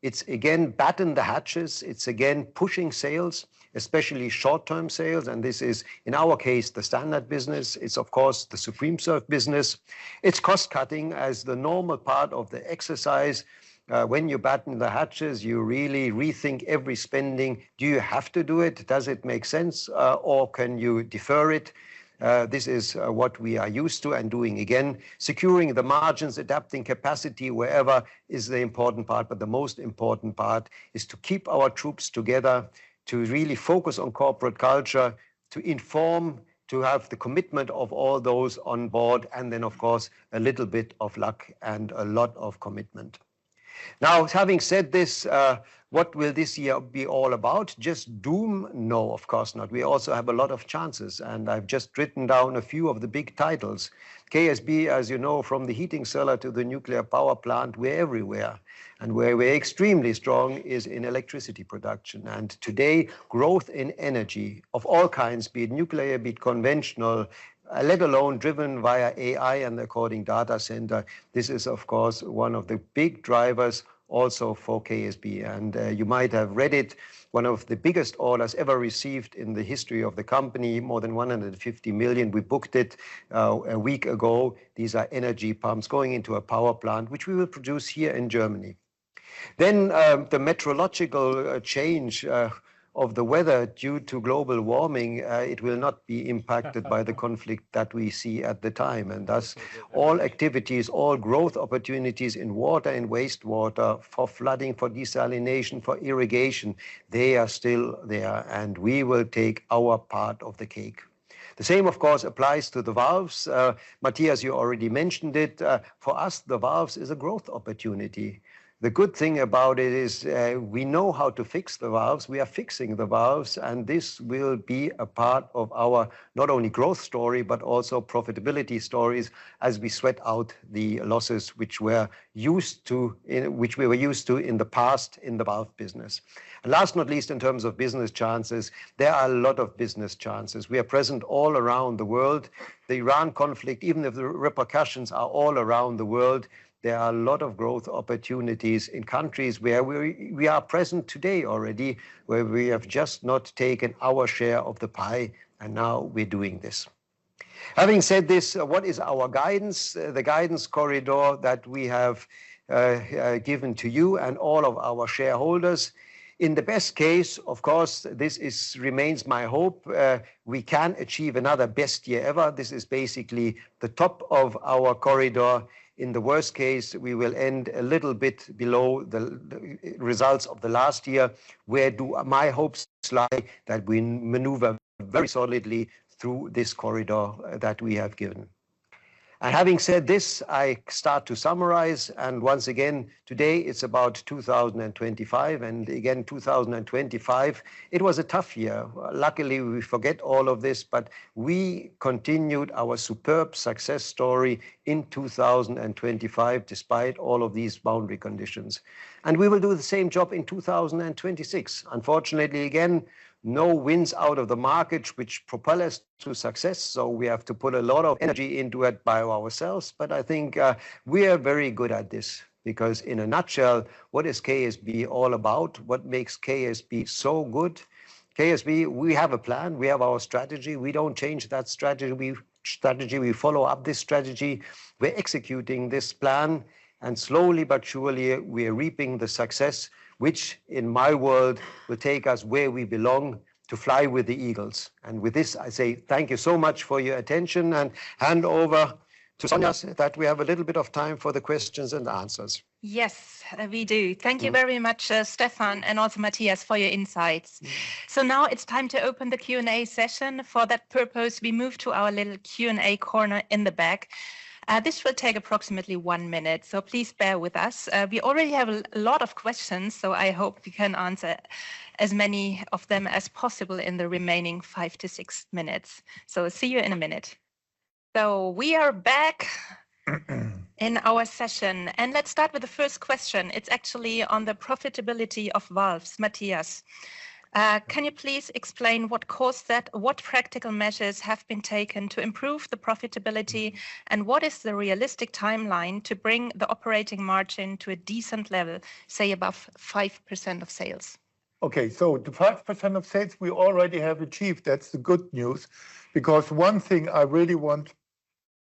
It's again, batten the hatches. It's again, pushing sales, especially short-term sales. This is, in our case, the standard business. It's of course the SupremeServ business. It's cost-cutting as the normal part of the exercise. When you batten the hatches, you really rethink every spending. Do you have to do it? Does it make sense, or can you defer it? This is what we are used to and doing again. Securing the margins, adapting capacity wherever is the important part, but the most important part is to keep our troops together, to really focus on corporate culture, to inform, to have the commitment of all those on board, and then, of course, a little bit of luck and a lot of commitment. Now, having said this, what will this year be all about? Just doom? No, of course not. We also have a lot of chances, and I've just written down a few of the big titles. KSB, as you know, from the heating sector to the nuclear power plant, we're everywhere. Where we're extremely strong is in electricity production. Today, growth in energy of all kinds, be it nuclear, be it conventional, let alone driven via AI and data center, this is of course one of the big drivers also for KSB. You might have read it, one of the biggest orders ever received in the history of the company, more than 150 million. We booked it a week ago. These are energy pumps going into a power plant, which we will produce here in Germany. The meteorological change of the weather due to global warming, it will not be impacted by the conflict that we see at the time. Thus all activities, all growth opportunities in water and wastewater for flooding, for desalination, for irrigation, they are still there. We will take our part of the cake. The same, of course, applies to the valves. Matthias, you already mentioned it. For us, the valves is a growth opportunity. The good thing about it is, we know how to fix the valves. We are fixing the valves, and this will be a part of our not only growth story but also profitability stories as we sweat out the losses which we were used to in the past in the valve business. Last but not least, in terms of business chances, there are a lot of business chances. We are present all around the world. The Iran conflict, even if the repercussions are all around the world, there are a lot of growth opportunities in countries where we are present today already, where we have just not taken our share of the pie, and now we're doing this. Having said this, what is our guidance, the guidance corridor that we have given to you and all of our shareholders? In the best case, of course, this remains my hope, we can achieve another best year ever. This is basically the top of our corridor. In the worst case, we will end a little bit below the results of the last year. Where do my hopes lie? That we maneuver very solidly through this corridor that we have given. Having said this, I start to summarize, and once again, today it's about 2025, and again 2025, it was a tough year. Luckily, we forget all of this, but we continued our superb success story in 2025 despite all of these boundary conditions. We will do the same job in 2026. Unfortunately, again, no winds out of the market which propel us to success, so we have to put a lot of energy into it by ourselves. I think we are very good at this because in a nutshell, what is KSB all about? What makes KSB so good? KSB, we have a plan. We have our strategy. We don't change that strategy. We strategy. We follow up this strategy. We're executing this plan, and slowly but surely, we're reaping the success, which in my world will take us where we belong to fly with the eagles. With this, I say thank you so much for your attention and hand over to Sonja that we have a little bit of time for the questions and answers. Yes, we do. Thank you very much, Stephan and also Matthias for your insights. Now it's time to open the Q&A session. For that purpose, we move to our little Q&A corner in the back. This will take approximately one minute, so please bear with us. We already have a lot of questions, so I hope we can answer as many of them as possible in the remaining five to six minutes. See you in a minute. We are back in our session, and let's start with the first question. It's actually on the profitability of valves. Matthias, can you please explain what caused that? What practical measures have been taken to improve the profitability, and what is the realistic timeline to bring the operating margin to a decent level, say above 5% of sales? Okay, the 5% of sales we already have achieved, that's the good news. Because one thing I really want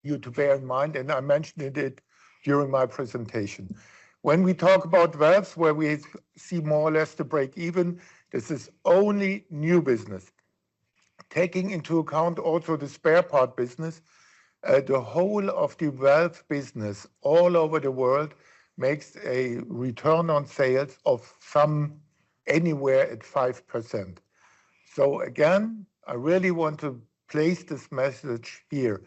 you to bear in mind, and I mentioned it during my presentation, when we talk about valves, where we see more or less the break-even, this is only new business. Taking into account also the spare part business, the whole of the valve business all over the world makes a return on sales of somewhere at 5%. Again, I really want to place this message here.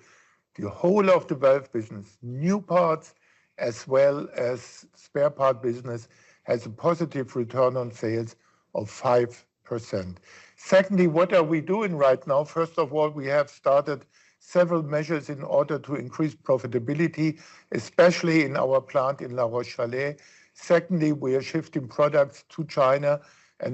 The whole of the valve business, new parts as well as spare part business, has a positive return on sales of 5%. Secondly, what are we doing right now? First of all, we have started several measures in order to increase profitability, especially in our plant in La Roche-Chalais. Secondly, we are shifting products to China.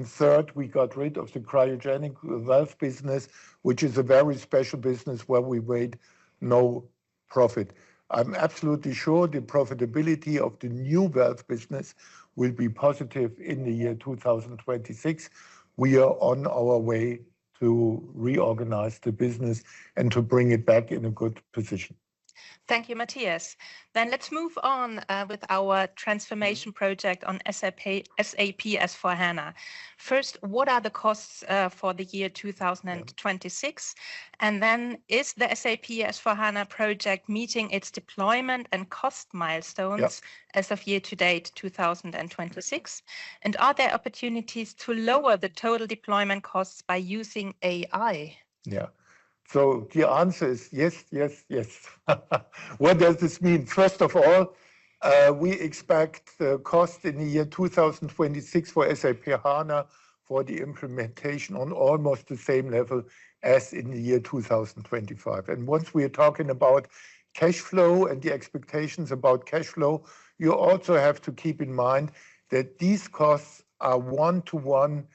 Third, we got rid of the cryogenic valve business, which is a very special business where we made no profit. I'm absolutely sure the profitability of the new valve business will be positive in the year 2026. We are on our way to reorganize the business and to bring it back in a good position. Thank you, Matthias. Let's move on with our transformation project on SAP S/4HANA. First, what are the costs for the year 2026? Is the SAP S/4HANA project meeting its deployment and cost milestones? Yeah As of year to date, 2026? And are there opportunities to lower the total deployment costs by using AI? Yeah. The answer is yes, yes. What does this mean? First of all, we expect the cost in the year 2026 for SAP S/4HANA for the implementation on almost the same level as in the year 2025. Once we are talking about cash flow and the expectations about cash flow, you also have to keep in mind that these costs are one-to-one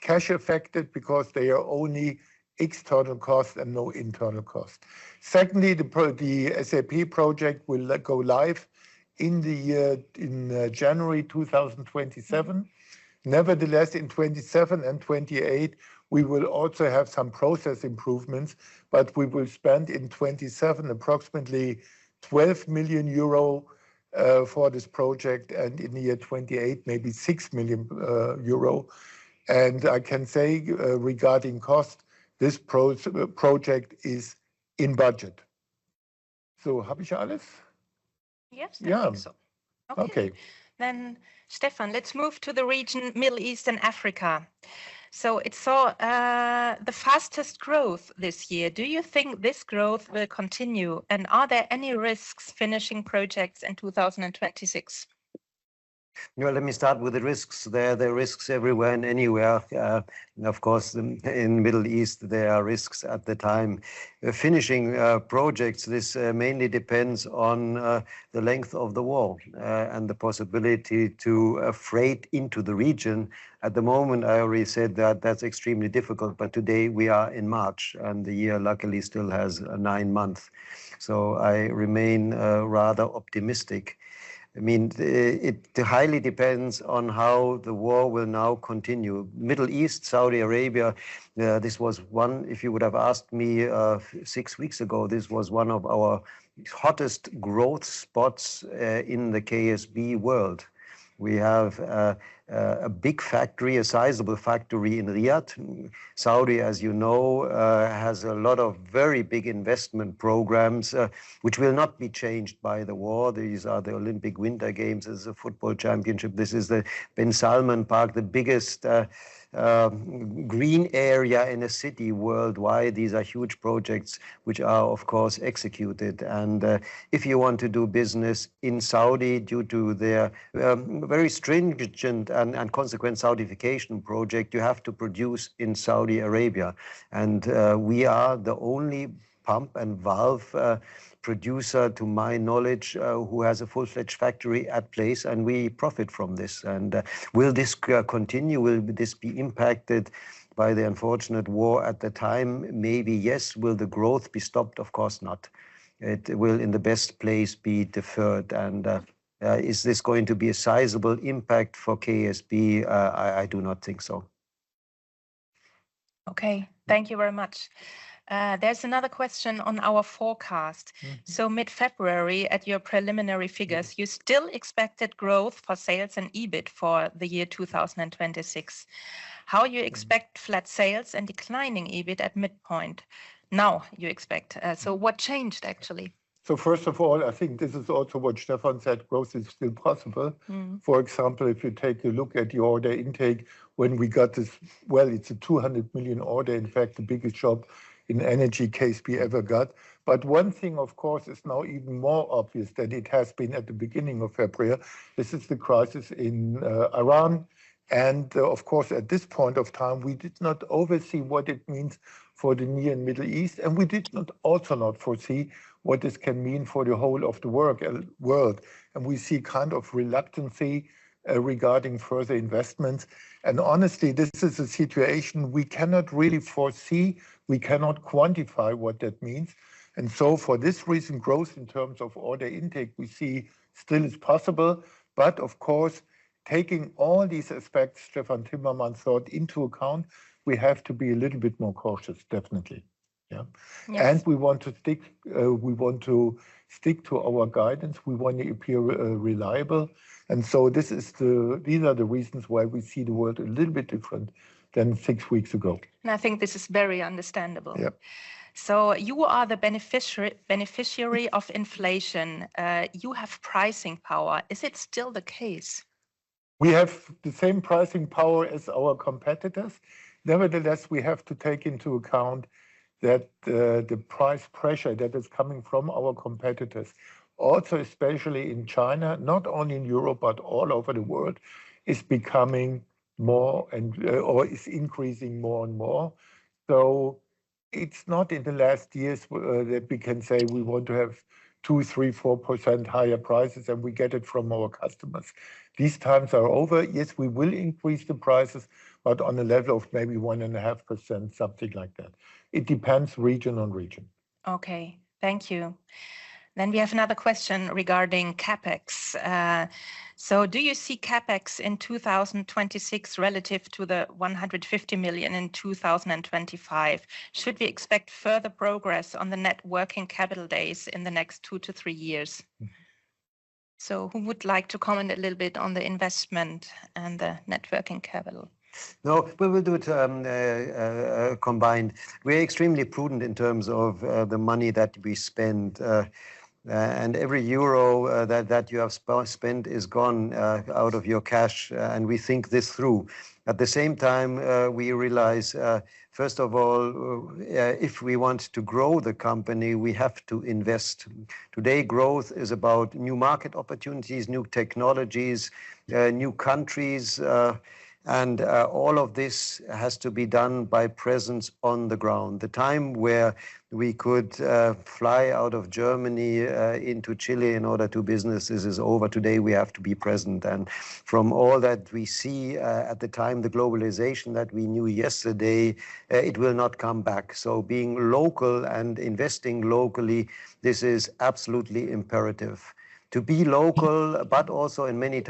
cash affected because they are only external costs and no internal cost. Secondly, the SAP project will go live in January 2027. Nevertheless, in 2027 and 2028, we will also have some process improvements, but we will spend in 2027 approximately 12 million euro. For this project and in year 2028, maybe 6 million euro. I can say, regarding cost, this project is in budget. Yes, I think so. Yeah. Okay. Okay. Stephan, let's move to the region Middle East and Africa. It saw the fastest growth this year. Do you think this growth will continue and are there any risks finishing projects in 2026? Well, let me start with the risks there. There are risks everywhere and anywhere, and of course in Middle East there are risks at the time. Finishing projects, this mainly depends on the length of the war and the possibility to freight into the region. At the moment I already said that that's extremely difficult, but today we are in March, and the year luckily still has nine months. I remain rather optimistic. I mean, it highly depends on how the war will now continue. Middle East, Saudi Arabia, this was one. If you would have asked me six weeks ago, this was one of our hottest growth spots in the KSB world. We have a big factory, a sizable factory in Riyadh. Saudi, as you know, has a lot of very big investment programs, which will not be changed by the war. These are the Olympic Winter Games. There's a football championship. This is the King Salman Park, the biggest green area in a city worldwide. These are huge projects which are of course executed. If you want to do business in Saudi due to their very stringent and consistent Saudization project, you have to produce in Saudi Arabia. We are the only pump and valve producer to my knowledge who has a full-fledged factory in place, and we profit from this. Will this continue? Will this be impacted by the unfortunate war at the time? Maybe yes. Will the growth be stopped? Of course not. It will, in the best case, be deferred. Is this going to be a sizable impact for KSB? I do not think so. Okay. Thank you very much. There's another question on our forecast. Mm-hmm. Mid-February at your preliminary figures. Mm you still expected growth for sales and EBIT for the year 2026. How you expect flat sales and declining EBIT at midpoint now you expect? What changed actually? First of all, I think this is also what Stephan said, growth is still possible. Mm. For example, if you take a look at the order intake, when we got this, well, it's a 200 million order, in fact the biggest job in energy KSB ever got. One thing of course is now even more obvious than it has been at the beginning of February. This is the crisis in Iran, and of course at this point of time we did not foresee what it means for the Near and Middle East, and we did not also not foresee what this can mean for the whole world. We see kind of reluctancy regarding further investments, and honestly, this is a situation we cannot really foresee. We cannot quantify what that means. For this reason, growth in terms of order intake we see still is possible. Of course, taking all these aspects Stephan Timmermann thought into account, we have to be a little bit more cautious, definitely. Yeah. Yes. We want to stick to our guidance. We want to appear reliable. These are the reasons why we see the world a little bit different than six weeks ago. I think this is very understandable. Yeah. You are the beneficiary of inflation. You have pricing power. Is it still the case? We have the same pricing power as our competitors. Nevertheless, we have to take into account that the price pressure that is coming from our competitors, also especially in China, not only in Europe but all over the world, is increasing more and more. It's not in the last years that we can say we want to have 2%, 3%, 4% higher prices and we get it from our customers. These times are over. Yes, we will increase the prices, but on the level of maybe 1.5%, something like that. It depends region to region. Okay. Thank you. We have another question regarding CapEx. Do you see CapEx in 2026 relative to the 150 million in 2025? Should we expect further progress on the net working capital days in the next two to three years? Who would like to comment a little bit on the investment and the net working capital? No, we will do it combined. We're extremely prudent in terms of the money that we spend. Every euro that you have spent is gone out of your cash, and we think this through. At the same time, we realize, first of all, if we want to grow the company, we have to invest. Today growth is about new market opportunities, new technologies, new countries, and all of this has to be done by presence on the ground. The time where we could fly out of Germany into Chile in order to do business is over. Today we have to be present. From all that we see, at the time, the globalization that we knew yesterday, it will not come back. Being local and investing locally, this is absolutely imperative. To be local, but also in many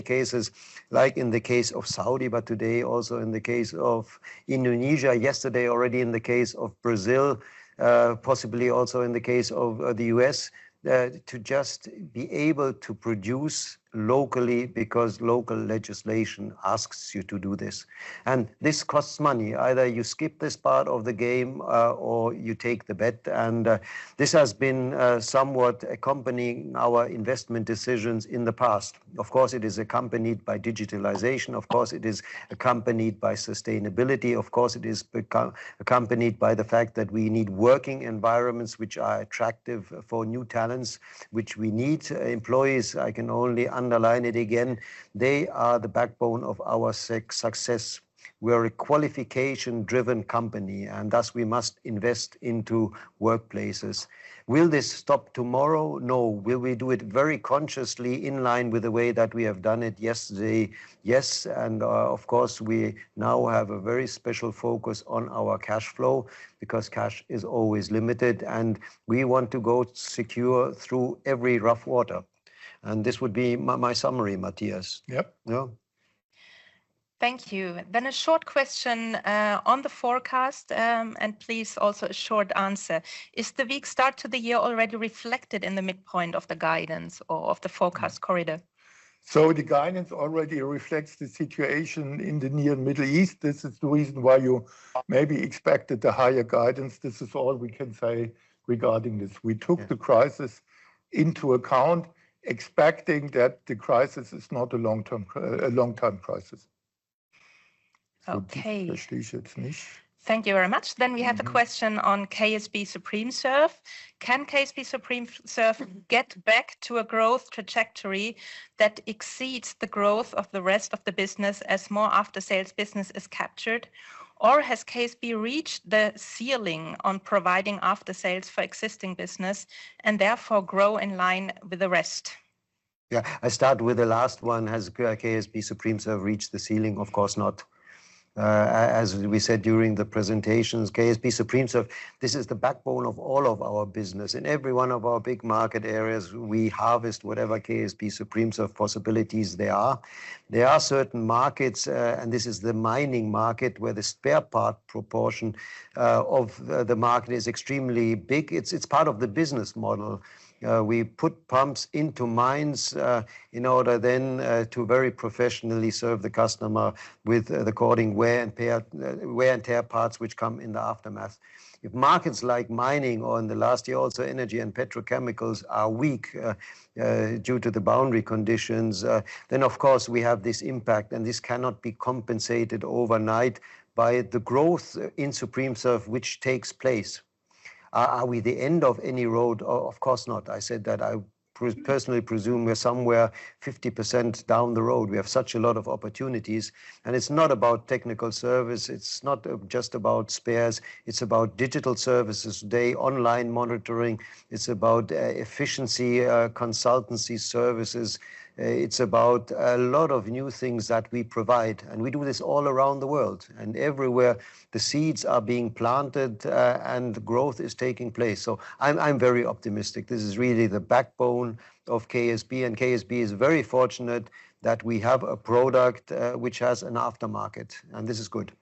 cases, like in the case of Saudi, but today also in the case of Indonesia, yesterday already in the case of Brazil, possibly also in the case of the U.S., to just be able to produce locally because local legislation asks you to do this. This costs money. Either you skip this part of the game, or you take the bet. This has been somewhat accompanying our investment decisions in the past. Of course, it is accompanied by digitalization. Of course, it is accompanied by sustainability. Of course, it is accompanied by the fact that we need working environments which are attractive for new talents, which we need. Employees, I can only underline it again, they are the backbone of our success. We are a qualification-driven company, and thus we must invest into workplaces. Will this stop tomorrow? No. Will we do it very consciously in line with the way that we have done it yesterday? Yes. Of course, we now have a very special focus on our cashflow because cash is always limited, and we want to go secure through every rough water. This would be my summary, Matthias. Yep. No? Thank you. A short question on the forecast, and please also a short answer. Is the weak start to the year already reflected in the midpoint of the guidance or of the forecast corridor? The guidance already reflects the situation in the Near and Middle East. This is the reason why you maybe expected a higher guidance. This is all we can say regarding this. Yeah. We took the crisis into account, expecting that the crisis is not a long-term crisis. Okay. So Okay. Thank you very much. Mm-hmm. We have the question on KSB SupremeServ. Can KSB SupremeServ get back to a growth trajectory that exceeds the growth of the rest of the business as more after-sales business is captured, or has KSB reached the ceiling on providing after-sales for existing business and therefore grow in line with the rest? Yeah, I start with the last one. Has KSB SupremeServ reached the ceiling? Of course not. As we said during the presentations, KSB SupremeServ, this is the backbone of all of our business. In every one of our big market areas, we harvest whatever KSB SupremeServ possibilities there are. There are certain markets, and this is the mining market, where the spare part proportion of the market is extremely big. It's part of the business model. We put pumps into mines in order then to very professionally serve the customer with the according wear and tear parts which come in the aftermath. If markets like mining or in the last year also energy and petrochemicals are weak due to the boundary conditions, then of course we have this impact, and this cannot be compensated overnight by the growth in SupremeServ which takes place. Are we at the end of any road? Of course not. I said that I personally presume we're somewhere 50% down the road. We have such a lot of opportunities. It's not about technical service. It's not just about spares. It's about digital services, data online monitoring. It's about efficiency, consultancy services. It's about a lot of new things that we provide, and we do this all around the world. Everywhere the seeds are being planted, and growth is taking place. I'm very optimistic. This is really the backbone of KSB, and KSB is very fortunate that we have a product, which has an aftermarket, and this is good.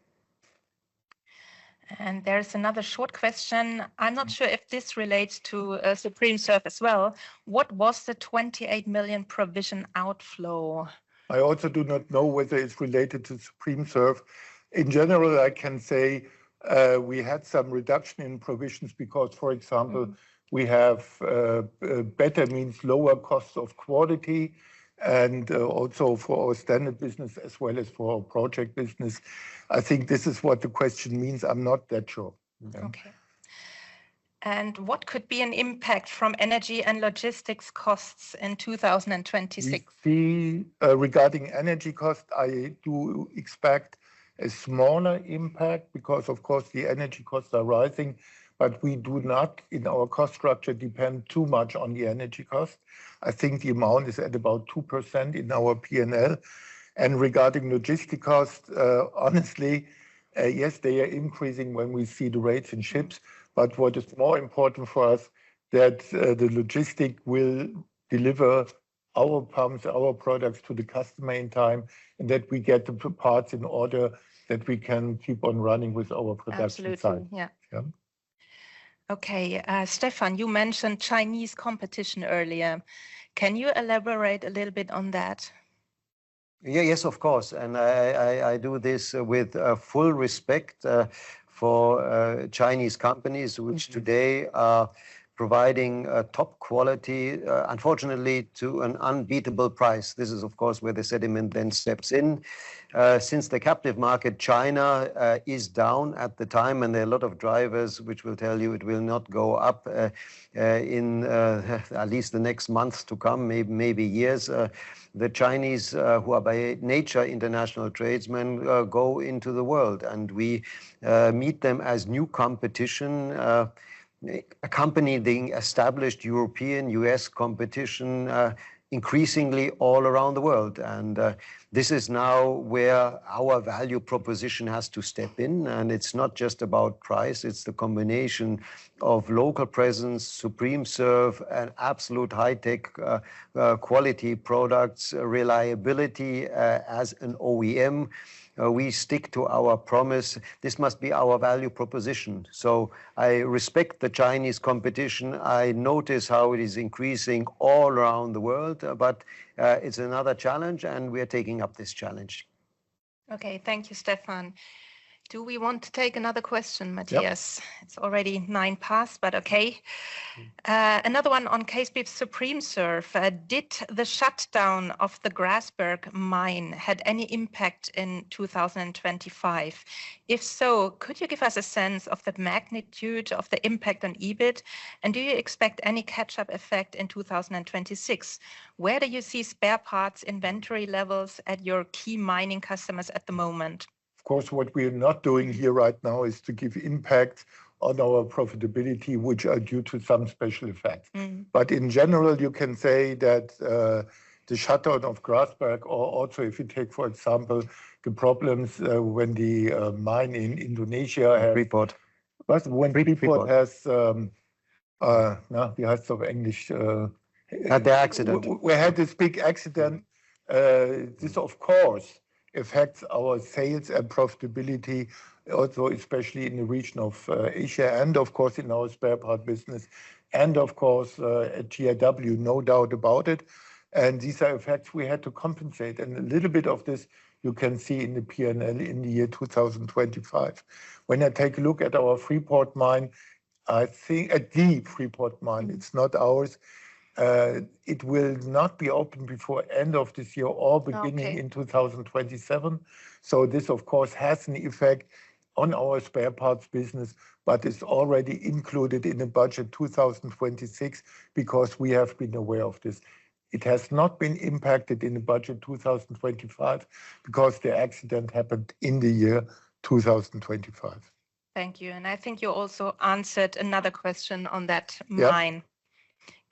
There's another short question. I'm not sure if this relates to SupremeServ as well. What was the 28 million provision outflow? I also do not know whether it's related to SupremeServ. In general, I can say, we had some reduction in provisions because, for example. Mm We have a better means, lower costs of quality and also for our standard business as well as for our project business. I think this is what the question means. I'm not that sure. Yeah. Okay. What could be an impact from energy and logistics costs in 2026? We see, regarding energy cost, I do expect a smaller impact because of course the energy costs are rising, but we do not in our cost structure depend too much on the energy cost. I think the amount is at about 2% in our P&L. Regarding logistic cost, honestly, yes, they are increasing when we see the shipping rates, but what is more important for us is that the logistics will deliver our pumps, our products to the customer on time, and that we get the parts in order that we can keep on running with our production time. Absolutely. Yeah. Yeah. Okay. Stephan, you mentioned Chinese competition earlier. Can you elaborate a little bit on that? Yeah. Yes, of course. I do this with full respect for Chinese companies. Mm Which today are providing top quality, unfortunately, to an unbeatable price. This is of course where the sentiment then steps in. Since the captive market, China, is down at the time and there are a lot of drivers which will tell you it will not go up, in at least the next months to come, maybe years, the Chinese, who are by nature international tradesmen, go into the world and we meet them as new competition, accompanying established European, U.S. competition, increasingly all around the world. This is now where our value proposition has to step in, and it's not just about price. It's the combination of local presence, SupremeServ, and absolute high-tech quality products, reliability, as an OEM. We stick to our promise. This must be our value proposition. I respect the Chinese competition. I notice how it is increasing all around the world, but it's another challenge, and we are taking up this challenge. Okay. Thank you, Stephan. Do we want to take another question, Matthias? Yep. It's already nine past, but okay. Another one on KSB SupremeServ. Did the shutdown of the Grasberg mine had any impact in 2025? If so, could you give us a sense of the magnitude of the impact on EBIT? Do you expect any catch-up effect in 2026? Where do you see spare parts inventory levels at your key mining customers at the moment? Of course, what we are not doing here right now is to give impact on our profitability, which are due to some special effects. Mm. In general, you can say that the shutdown of Grasberg or also if you take, for example, the problems when the mine in Indonesia had- Freeport-McMoRan. What? Freeport-McMoRan. When Freeport-McMoRan has now the highest efficiency Had the accident. We had this big accident. This of course affects our sales and profitability also especially in the region of Asia and of course in our spare part business and of course at GIW, no doubt about it. These are effects we had to compensate. A little bit of this you can see in the P&L in the year 2025. The Freeport-McMoRan mine, it's not ours. It will not be open before end of this year. Okay beginning in 2027. This of course has an effect on our spare parts business, but it's already included in the budget 2026 because we have been aware of this. It has not been impacted in the budget 2025 because the accident happened in the year 2025. Thank you. I think you also answered another question on that mine.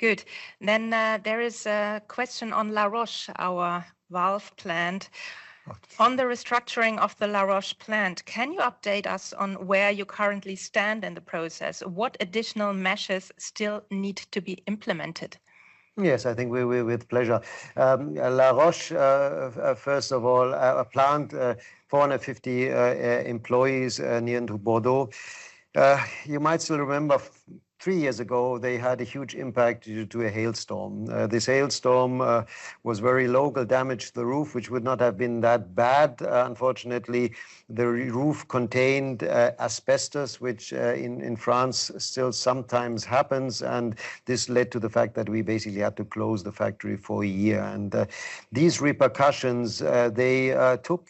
Yep. Good. There is a question on La Roche-Chalais, our valve plant. Laroche. On the restructuring of the La Roche-Chalais plant, can you update us on where you currently stand in the process? What additional measures still need to be implemented? Yes. I think we will with pleasure. La Roche-Chalais, first of all, a plant, 450 employees, near to Bordeaux. You might still remember three years ago, they had a huge impact due to a hailstorm. This hailstorm was very local, damaged the roof, which would not have been that bad. Unfortunately, the roof contained asbestos, which in France still sometimes happens, and this led to the fact that we basically had to close the factory for a year. These repercussions, they took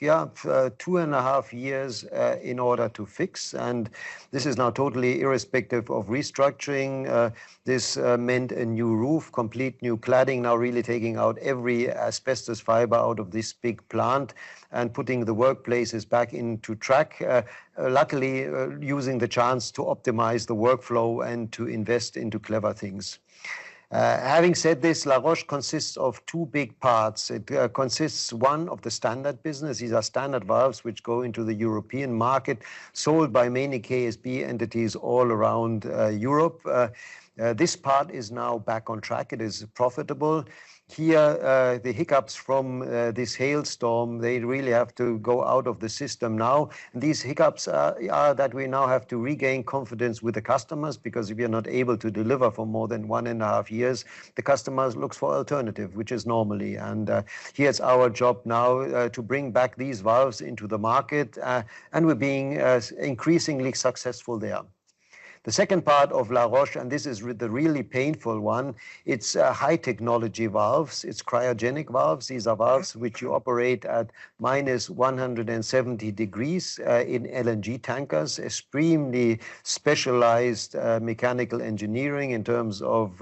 two and a half years in order to fix, and this is now totally irrespective of restructuring. This meant a new roof, complete new cladding, now really taking out every asbestos fiber out of this big plant and putting the workplaces back into track. Luckily, using the chance to optimize the workflow and to invest into clever things. Having said this, La Roche-Chalais consists of two big parts. It consists of one of the standard businesses. These are standard valves which go into the European market, sold by many KSB entities all around Europe. This part is now back on track. It is profitable. Here, the hiccups from this hailstorm, they really have to go out of the system now. These hiccups are that we now have to regain confidence with the customers because if you're not able to deliver for more than one and a half years, the customers looks for alternative, which is normally. Here it's our job now to bring back these valves into the market and we're being increasingly successful there. The second part of La Roche-Chalais, this is the really painful one. It's high technology valves. It's cryogenic valves. These are valves which you operate at minus 170 degrees in LNG tankers. Extremely specialized mechanical engineering in terms of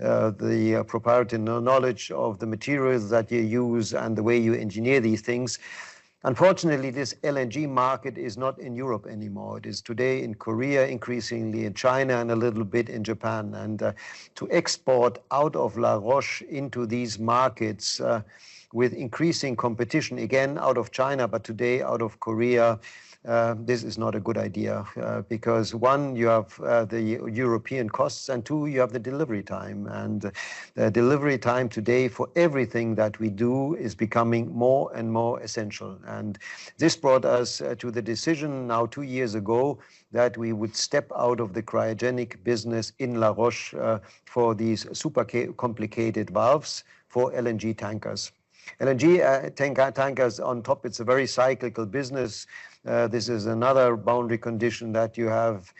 the proprietary knowledge of the materials that you use and the way you engineer these things. Unfortunately, this LNG market is not in Europe anymore. It is today in Korea, increasingly in China, and a little bit in Japan. To export out of La Roche-Chalais into these markets with increasing competition, again, out of China, but today out of Korea, this is not a good idea. Because one, you have the European costs, and two, you have the delivery time. The delivery time today for everything that we do is becoming more and more essential. This brought us to the decision now two years ago that we would step out of the cryogenic business in La Roche-Chalais for these complicated valves for LNG tankers. LNG tankers on top, it's a very cyclical business. This is another boundary condition that you have.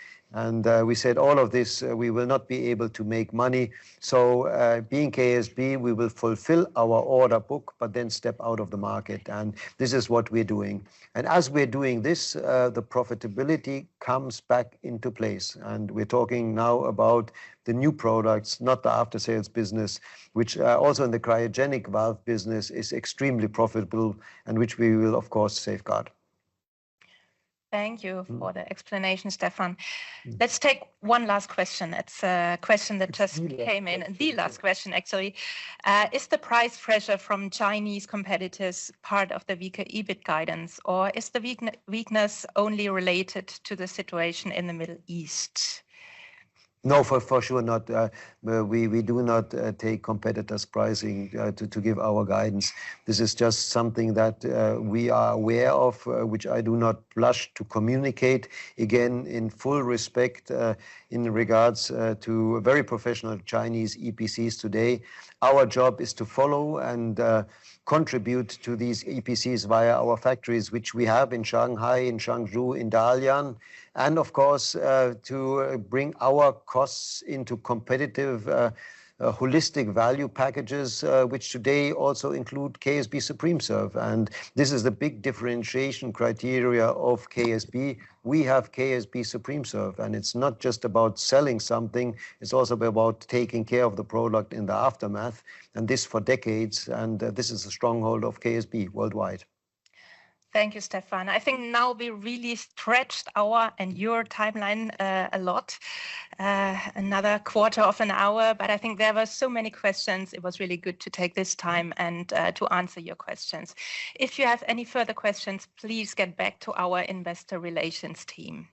We said all of this, we will not be able to make money. Being KSB, we will fulfill our order book but then step out of the market, and this is what we're doing. As we're doing this, the profitability comes back into place, and we're talking now about the new products, not the after-sales business, which also in the cryogenic valve business, is extremely profitable and which we will, of course, safeguard. Thank you for the explanation, Stephan. Let's take one last question. It's a question that just came in. Sure. The last question, actually. Is the price pressure from Chinese competitors part of the weaker EBIT guidance, or is the weakness only related to the situation in the Middle East? No, for sure not. We do not take competitors' pricing to give our guidance. This is just something that we are aware of, which I do not blush to communicate. Again, in full respect, in regards to very professional Chinese EPCs today, our job is to follow and contribute to these EPCs via our factories, which we have in Shanghai, in Hangzhou, in Dalian, and of course, to bring our costs into competitive holistic value packages, which today also include KSB SupremeServ. This is the big differentiation criteria of KSB. We have KSB SupremeServ, and it's not just about selling something, it's also about taking care of the product in the aftermath, and this for decades, and this is a stronghold of KSB worldwide. Thank you, Stephan. I think now we really stretched our and your timeline a lot. Another quarter of an hour, but I think there were so many questions. It was really good to take this time and to answer your questions. If you have any further questions, please get back to our investor relations team.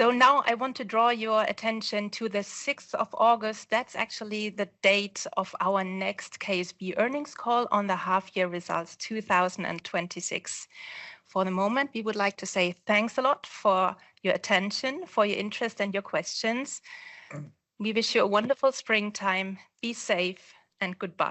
Now I want to draw your attention to the 6th of August. That's actually the date of our next KSB earnings call on the half-year results 2026. For the moment, we would like to say thanks a lot for your attention, for your interest, and your questions. We wish you a wonderful springtime. Be safe and goodbye.